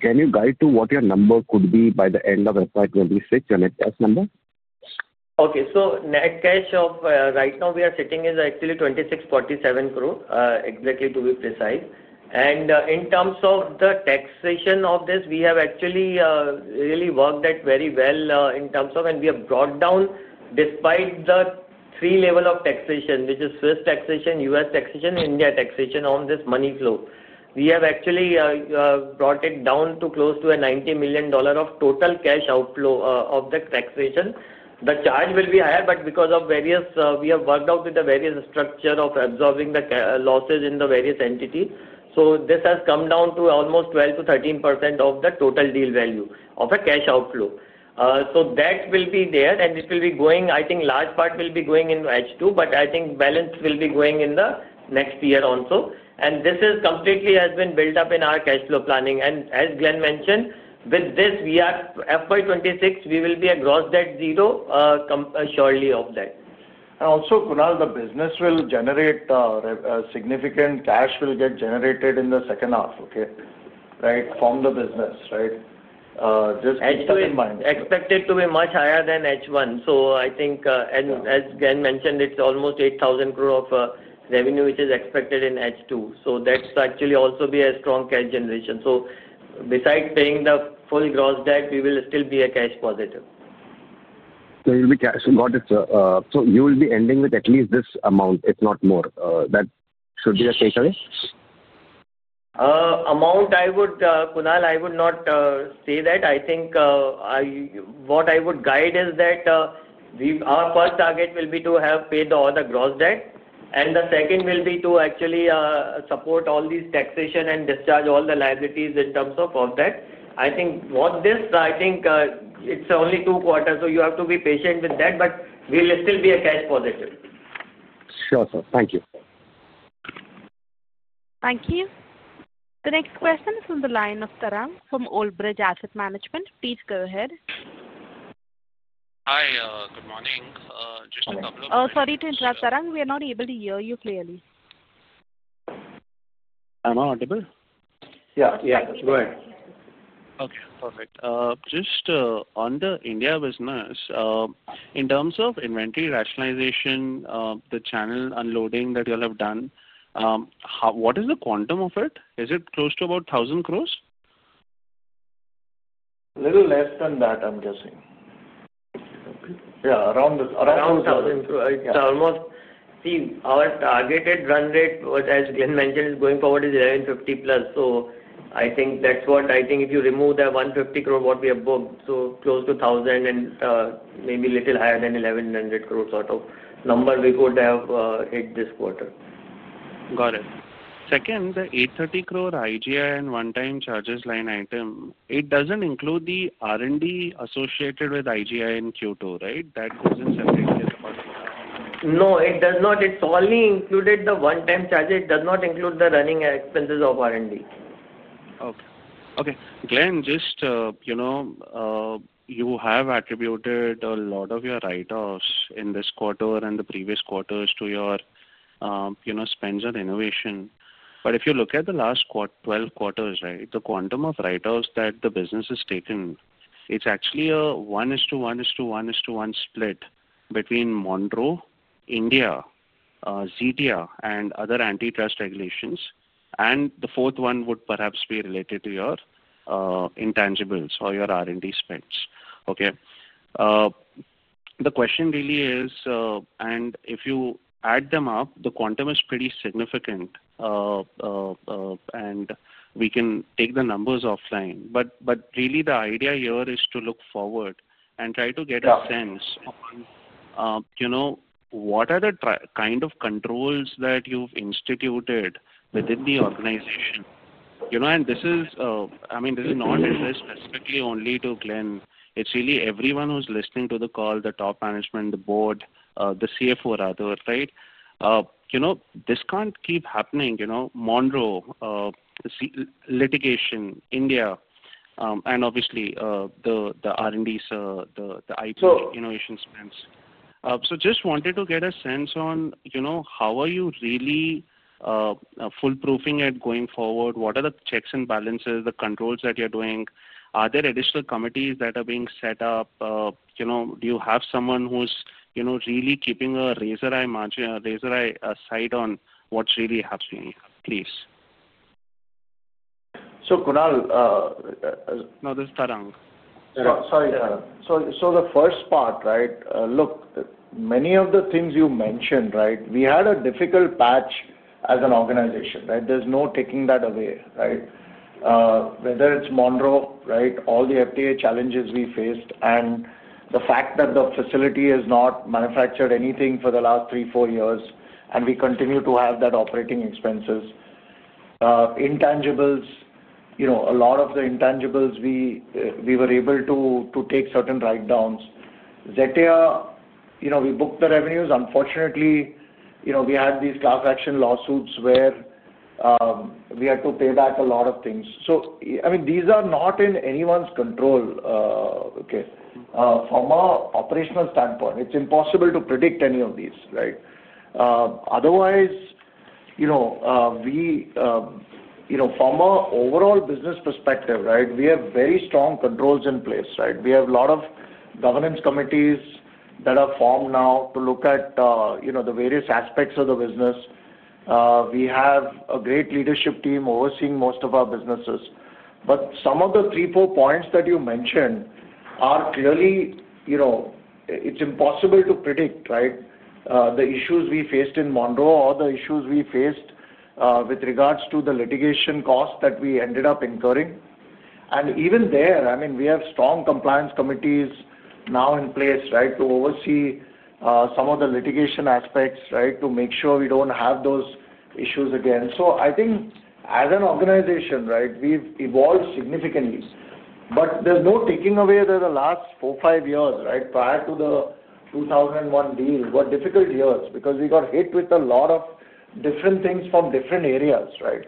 Can you guide to what your number could be by the end of FY 2026 and its tax number? Okay. Net cash of right now we are sitting is actually 2,647 crore, exactly to be precise. In terms of the taxation of this, we have actually really worked that very well in terms of, and we have brought down, despite the three levels of taxation, which is Swiss taxation, U.S. taxation, and India taxation on this money flow. We have actually brought it down to close to a $90 million total cash outflow of the taxation. The charge will be higher, but because of various, we have worked out with the various structure of absorbing the losses in the various entities. This has come down to almost 12%-13% of the total deal value of a cash outflow. That will be there, and it will be going, I think large part will be going in H2, I think balance will be going in the next year also. This has completely been built up in our cash flow planning. As Glenn mentioned, with this, we are FY2026, we will be a gross debt zero shortly of that. Also, Kunal, the business will generate significant cash will get generated in the second half, okay, right, from the business, right? Just keep in mind. H2 is expected to be much higher than H1. I think, as Glenn mentioned, it is almost 8,000 crore of revenue, which is expected in H2. That will actually also be a strong cash generation. Besides paying the full gross debt, we will still be cash positive. You will be cashing out it. You will be ending with at least this amount, if not more. That should be a takeaway? Amount, Kunal, I would not say that. I think what I would guide is that our first target will be to have paid all the gross debt, and the second will be to actually support all these taxation and discharge all the liabilities in terms of that. I think it is only two quarters, so you have to be patient with that, but we will still be cash positive. Sure, sir. Thank you. Thank you. The next question is from the line of Tarang from Oldbridge Asset Management. Please go ahead. Hi. Good morning. Just a couple of. Sorry to interrupt, Tarang. We are not able to hear you clearly. Am I audible? Yeah. Yeah. Go ahead. Okay. Perfect. Just on the India business, in terms of inventory rationalization, the channel unloading that you all have done, what is the quantum of it? Is it close to about 1,000 crore? A little less than that, I'm guessing. Yeah. Around INR 1,000 crore. Yeah. See, our targeted run rate, as Glenn mentioned, going forward is 1,150 plus. I think that's what I think if you remove that 150 crore, what we have booked, so close to 1,000 and maybe a little higher than 1,100 crore sort of number we could have hit this quarter. Got it. Second, the 830 crore IGI and one-time charges line item, it doesn't include the R&D associated with IGI in Q2, right? That goes in separately as well. No, it does not. It's only included the one-time charges. It does not include the running expenses of R&D. Okay. Glenn, just you have attributed a lot of your write-offs in this quarter and the previous quarters to your spends on innovation. If you look at the last 12 quarters, the quantum of write-offs that the business has taken, it's actually a 1:1:1:1 split between Monroe, India, Zetia, and other antitrust regulations. The fourth one would perhaps be related to your intangibles or your R&D spends. Okay. The question really is, if you add them up, the quantum is pretty significant, and we can take the numbers offline. Really, the idea here is to look forward and try to get a sense on what are the kind of controls that you've instituted within the organization. This is not addressed specifically only to Glenn. It's really everyone who's listening to the call, the top management, the board, the CFO rather, right? This can't keep happening. Monroe, litigation, India, and obviously the R&D, the IT innovation spends. Just wanted to get a sense on how are you really foolproofing it going forward? What are the checks and balances, the controls that you're doing? Are there additional committees that are being set up? Do you have someone who's really keeping a razor-eye, razor-eye sight on what's really happening? Please. Kunal. No, this is Tarang. Sorry, Tarang. The first part, right, look, many of the things you mentioned, right, we had a difficult patch as an organization, right? There is no taking that away, right? Whether it is Monroe, right, all the FDA challenges we faced and the fact that the facility has not manufactured anything for the last three-four years, and we continue to have that operating expenses. Intangibles, a lot of the intangibles, we were able to take certain write-downs. Zetia, we booked the revenues. Unfortunately, we had these class action lawsuits where we had to pay back a lot of things. I mean, these are not in anyone's control, okay? From an operational standpoint, it is impossible to predict any of these, right? Otherwise, from an overall business perspective, right, we have very strong controls in place, right? We have a lot of governance committees that are formed now to look at the various aspects of the business. We have a great leadership team overseeing most of our businesses. Some of the three, four points that you mentioned are clearly, it's impossible to predict, right? The issues we faced in Monroe or the issues we faced with regards to the litigation costs that we ended up incurring. Even there, I mean, we have strong compliance committees now in place, right, to oversee some of the litigation aspects, right, to make sure we don't have those issues again. I think as an organization, right, we've evolved significantly. There's no taking away that the last four, five years, right, prior to the 2001 deal, were difficult years because we got hit with a lot of different things from different areas, right?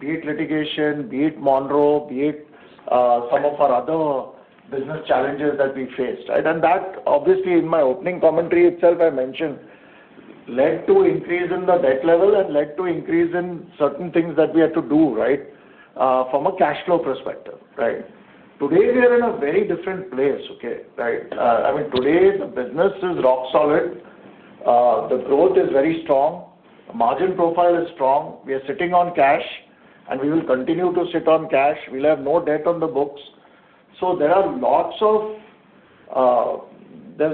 Be it litigation, be it Monroe, be it some of our other business challenges that we faced, right? That, obviously, in my opening commentary itself, I mentioned, led to an increase in the debt level and led to an increase in certain things that we had to do, right, from a cash flow perspective, right? Today, we are in a very different place, right? I mean, today, the business is rock solid. The growth is very strong. The margin profile is strong. We are sitting on cash, and we will continue to sit on cash. We'll have no debt on the books. There is a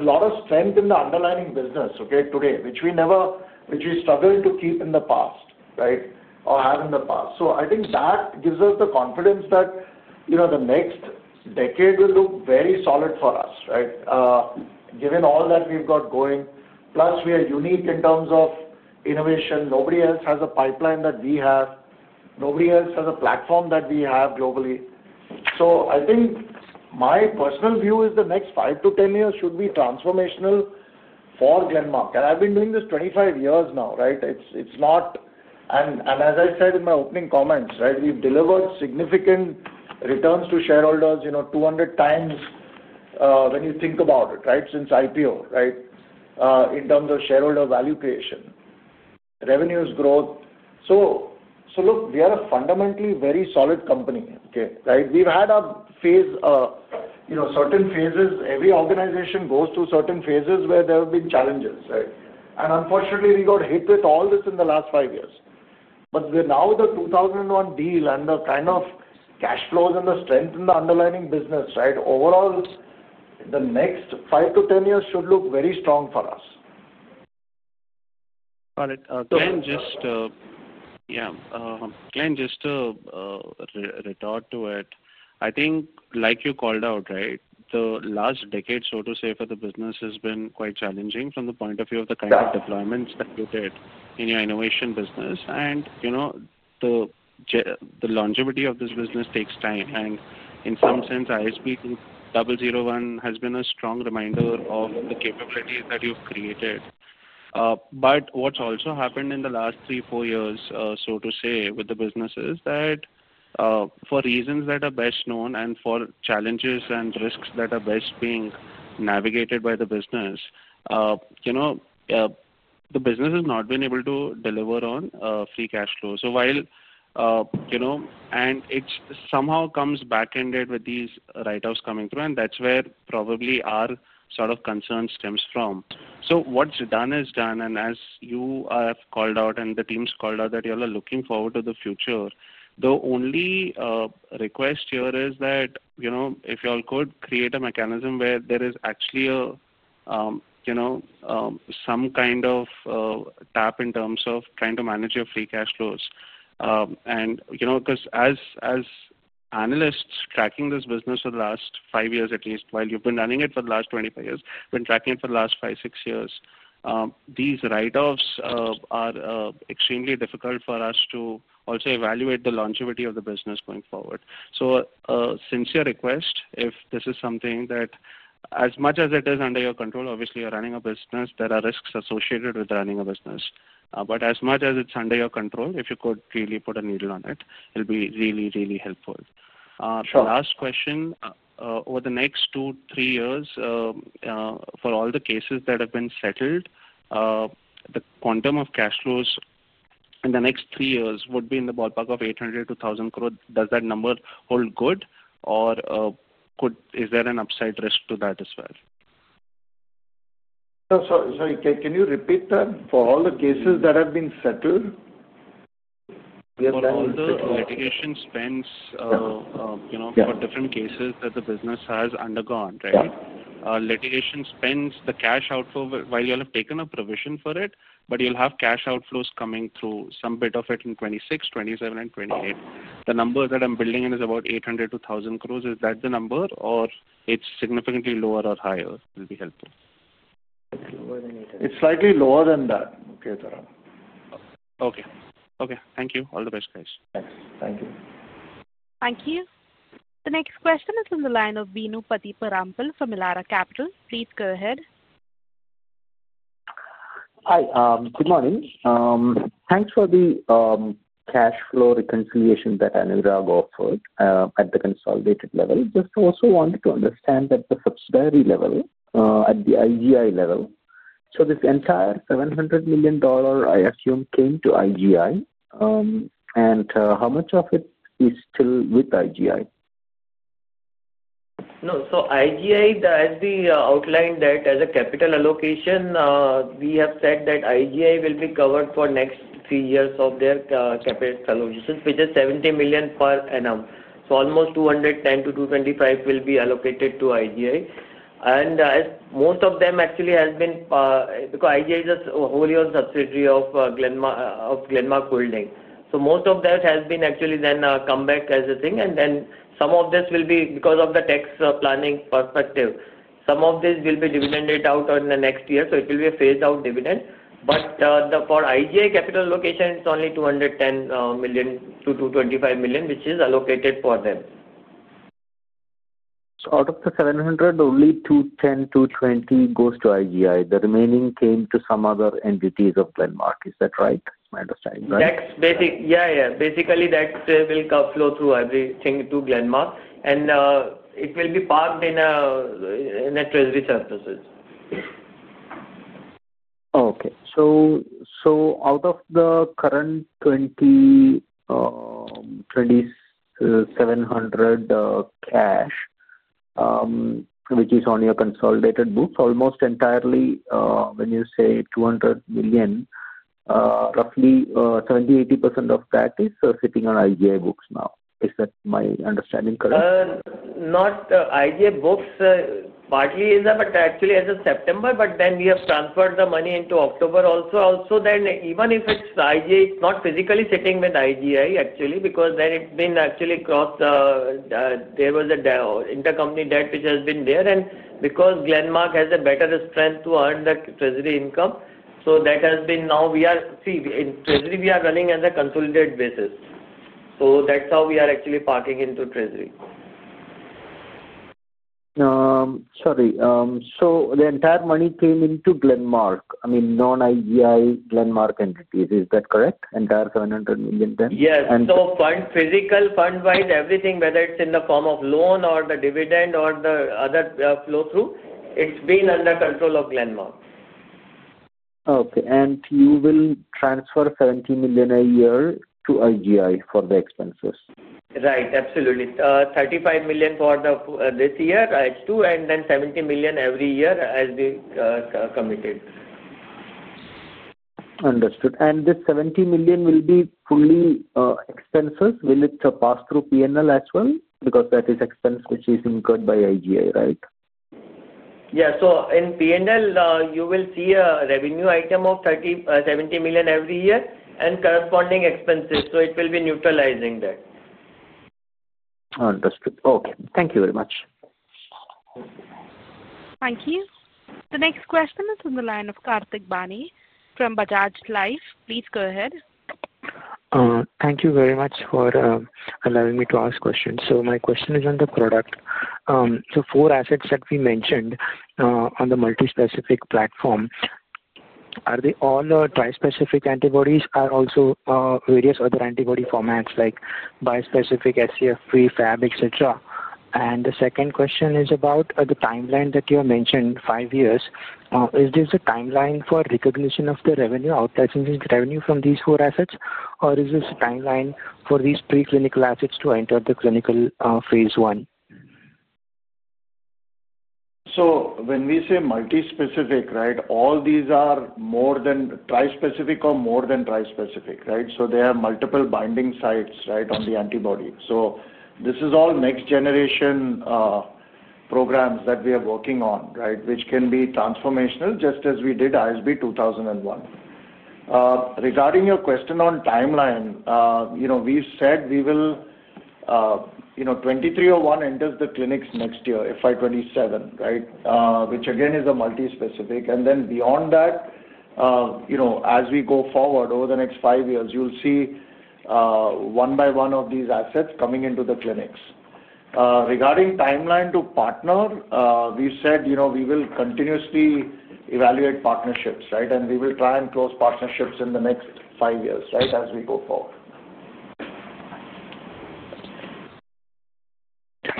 lot of strength in the underlying business, okay, today, which we struggled to keep in the past, right, or have in the past. I think that gives us the confidence that the next decade will look very solid for us, right, given all that we've got going. Plus, we are unique in terms of innovation. Nobody else has a pipeline that we have. Nobody else has a platform that we have globally. I think my personal view is the next 5-10 years should be transformational for Glenmark. I've been doing this 25 years now, right? As I said in my opening comments, right, we've delivered significant returns to shareholders 200 times when you think about it, right, since IPO, right, in terms of shareholder value creation, revenues growth. Look, we are a fundamentally very solid company, okay? Right? We've had a phase, certain phases. Every organization goes through certain phases where there have been challenges, right? Unfortunately, we got hit with all this in the last five years. Now the ISB 2001 deal and the kind of cash flows and the strength in the underlying business, right, overall, the next 5-10 years should look very strong for us. Got it. Glenn, just, yeah. Glenn, just to retort to it, I think, like you called out, right, the last decade, so to say, for the business has been quite challenging from the point of view of the kind of deployments that you did in your innovation business. The longevity of this business takes time. In some sense, ISB 2001 has been a strong reminder of the capabilities that you've created. What has also happened in the last three, four years, so to say, with the business is that for reasons that are best known and for challenges and risks that are best being navigated by the business, the business has not been able to deliver on free cash flow. While it somehow comes back-ended with these write-offs coming through, that is where probably our sort of concern stems from. What is done is done. As you have called out and the team's called out that you all are looking forward to the future, the only request here is that if you all could create a mechanism where there is actually some kind of tap in terms of trying to manage your free cash flows. Because as analysts tracking this business for the last five years, at least, while you've been running it for the last 25 years, been tracking it for the last five, six years, these write-offs are extremely difficult for us to also evaluate the longevity of the business going forward. A sincere request if this is something that, as much as it is under your control, obviously, you're running a business, there are risks associated with running a business. As much as it's under your control, if you could really put a needle on it, it'll be really, really helpful. Last question. Over the next two, three years, for all the cases that have been settled, the quantum of cash flows in the next three years would be in the ballpark of 800 crore-1,000 crore. Does that number hold good, or is there an upside risk to that as well? Sorry. Can you repeat that? For all the cases that have been settled? Yes, all the litigation spends for different cases that the business has undergone, right? Litigation spends, the cash outflow, while you all have taken a provision for it, but you'll have cash outflows coming through some bit of it in 2026, 2027, and 2028. The number that I'm building in is about 800 crore-1,000 crore. Is that the number, or it's significantly lower or higher? It'll be helpful. It's lower than INR 800 crore. It's slightly lower than that, okay, Tarang. Okay. Okay. Thank you. All the best, guys. Thanks. Thank you. Thank you. The next question is from the line of Bino Pathiparampil` from Elara Capital. Please go ahead. Hi. Good morning. Thanks for the cash flow reconciliation that Anurag offered at the consolidated level. Just also wanted to understand at the subsidiary level, at the IGI level. This entire $700 million, I assume, came to IGI, and how much of it is still with IGI? No. IGI, as we outlined that as a capital allocation, we have said that IGI will be covered for the next three years of their capital allocations, which is 70 million per annum. Almost 210-225 million will be allocated to IGI. Most of them actually has been because IGI is a wholly owned subsidiary of Glenmark Holding. Most of that has been actually then come back as a thing. Some of this will be, because of the tax planning perspective, some of this will be dividended out in the next year. It will be a phased-out dividend. For IGI capital allocation, it's only 210 million-225 million, which is allocated for them. Out of the 700 million, only 210 million-220 million goes to IGI. The remaining came to some other entities of Glenmark. Is that right? My understanding, right? Yeah. Yeah. Basically, that will flow through everything to Glenmark, and it will be parked in the treasury services. Okay. Out of the current 2,700 million cash, which is on your consolidated books, almost entirely, when you say 200 million, roughly 70-80% of that is sitting on IGI books now. Is that my understanding correct? Not IGI books. Partly is that, but actually as of September, but then we have transferred the money into October also. Also, even if it's IGI, it's not physically sitting with IGI, actually, because then it's been actually crossed, there was an intercompany debt which has been there because Glenmark has a better strength to earn the treasury income, that has been, now we are, see, in treasury, we are running as a consolidated basis. That is how we are actually parking into treasury. Sorry. The entire money came into Glenmark, I mean, non-IGI Glenmark entities. Is that correct? Entire 700 million then? Yes. Physical fund-wise, everything, whether it is in the form of loan or the dividend or the other flow-through, it has been under control of Glenmark. Okay. You will transfer 70 million a year to IGI for the expenses? Right. Absolutely. 35 million for this year, right, and then 70 million every year as we committed. Understood. This 70 million will be fully expenses? Will it pass through P&L as well? Because that is expense which is incurred by IGI, right? Yeah. In P&L, you will see a revenue item of 70 million every year and corresponding expenses. It will be neutralizing that. Understood. Thank you very much. Thank you. The next question is from the line of Karthik Bane from Bajaj Life. Please go ahead. Thank you very much for allowing me to ask questions. My question is on the product. Four assets that we mentioned on the multi-specific platform, are they all trispecific antibodies or also various other antibody formats like bispecific, SCFP, FAB, etc.? The second question is about the timeline that you have mentioned, five years. Is this a timeline for recognition of the revenue outsourcing revenue from these four assets, or is this a timeline for these preclinical assets to enter the clinical phase one? When we say multi-specific, right, all these are more than trispecific or more than trispecific, right? They have multiple binding sites, right, on the antibody. This is all next-generation programs that we are working on, right, which can be transformational just as we did ISB 2001. Regarding your question on timeline, we said we will 2301 enters the clinics next year, FY 2027, right, which again is a multi-specific. Then beyond that, as we go forward over the next five years, you'll see one by one of these assets coming into the clinics. Regarding timeline to partner, we said we will continuously evaluate partnerships, right, and we will try and close partnerships in the next five years, right, as we go forward.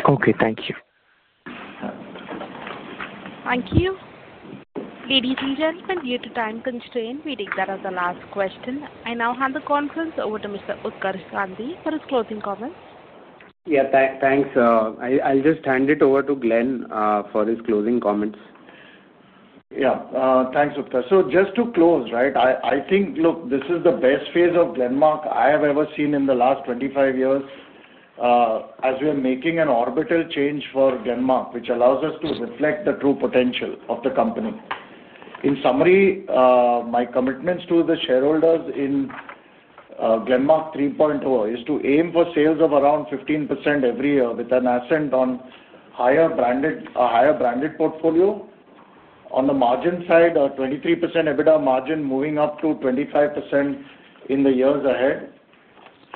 Okay. Thank you. Thank you. Ladies and gentlemen, due to time constraint, we take that as the last question. I now hand the conference over to Mr. Utkarsh Gandhi for his closing comments. Yeah. Thanks. I'll just hand it over to Glenn for his closing comments. Yeah. Thanks, Utkarsh. Just to close, right, I think, look, this is the best phase of Glenmark I have ever seen in the last 25 years as we are making an orbital change for Glenmark, which allows us to reflect the true potential of the company. In summary, my commitments to the shareholders in Glenmark 3.0 is to aim for sales of around 15% every year with an ascent on a higher branded portfolio. On the margin side, a 23% EBITDA margin moving up to 25% in the years ahead.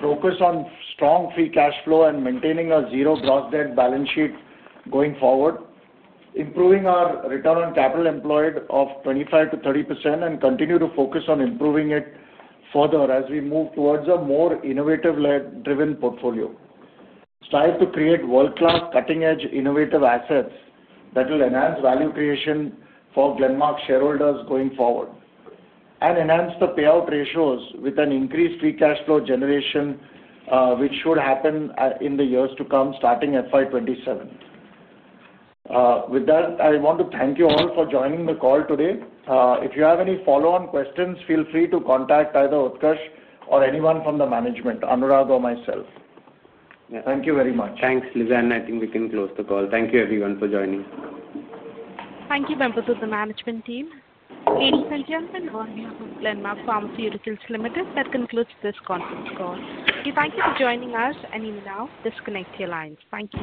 Focus on strong free cash flow and maintaining a zero gross debt balance sheet going forward. Improving our return on capital employed of 25-30% and continue to focus on improving it further as we move towards a more innovative-led driven portfolio. Strive to create world-class cutting-edge innovative assets that will enhance value creation for Glenmark shareholders going forward and enhance the payout ratios with an increased free cash flow generation, which should happen in the years to come starting FY2027. With that, I want to thank you all for joining the call today. If you have any follow-on questions, feel free to contact either Utkarsh or anyone from the management, Anurag or myself. Thank you very much. Thanks, Lizanne. I think we can close the call. Thank you, everyone, for joining. Thank you, Bemba, to the management team. Ladies and gentlemen, we are here with Glenmark Pharmaceuticals Limited. That concludes this conference call. We thank you for joining us, and you may now disconnect your lines. Thank you.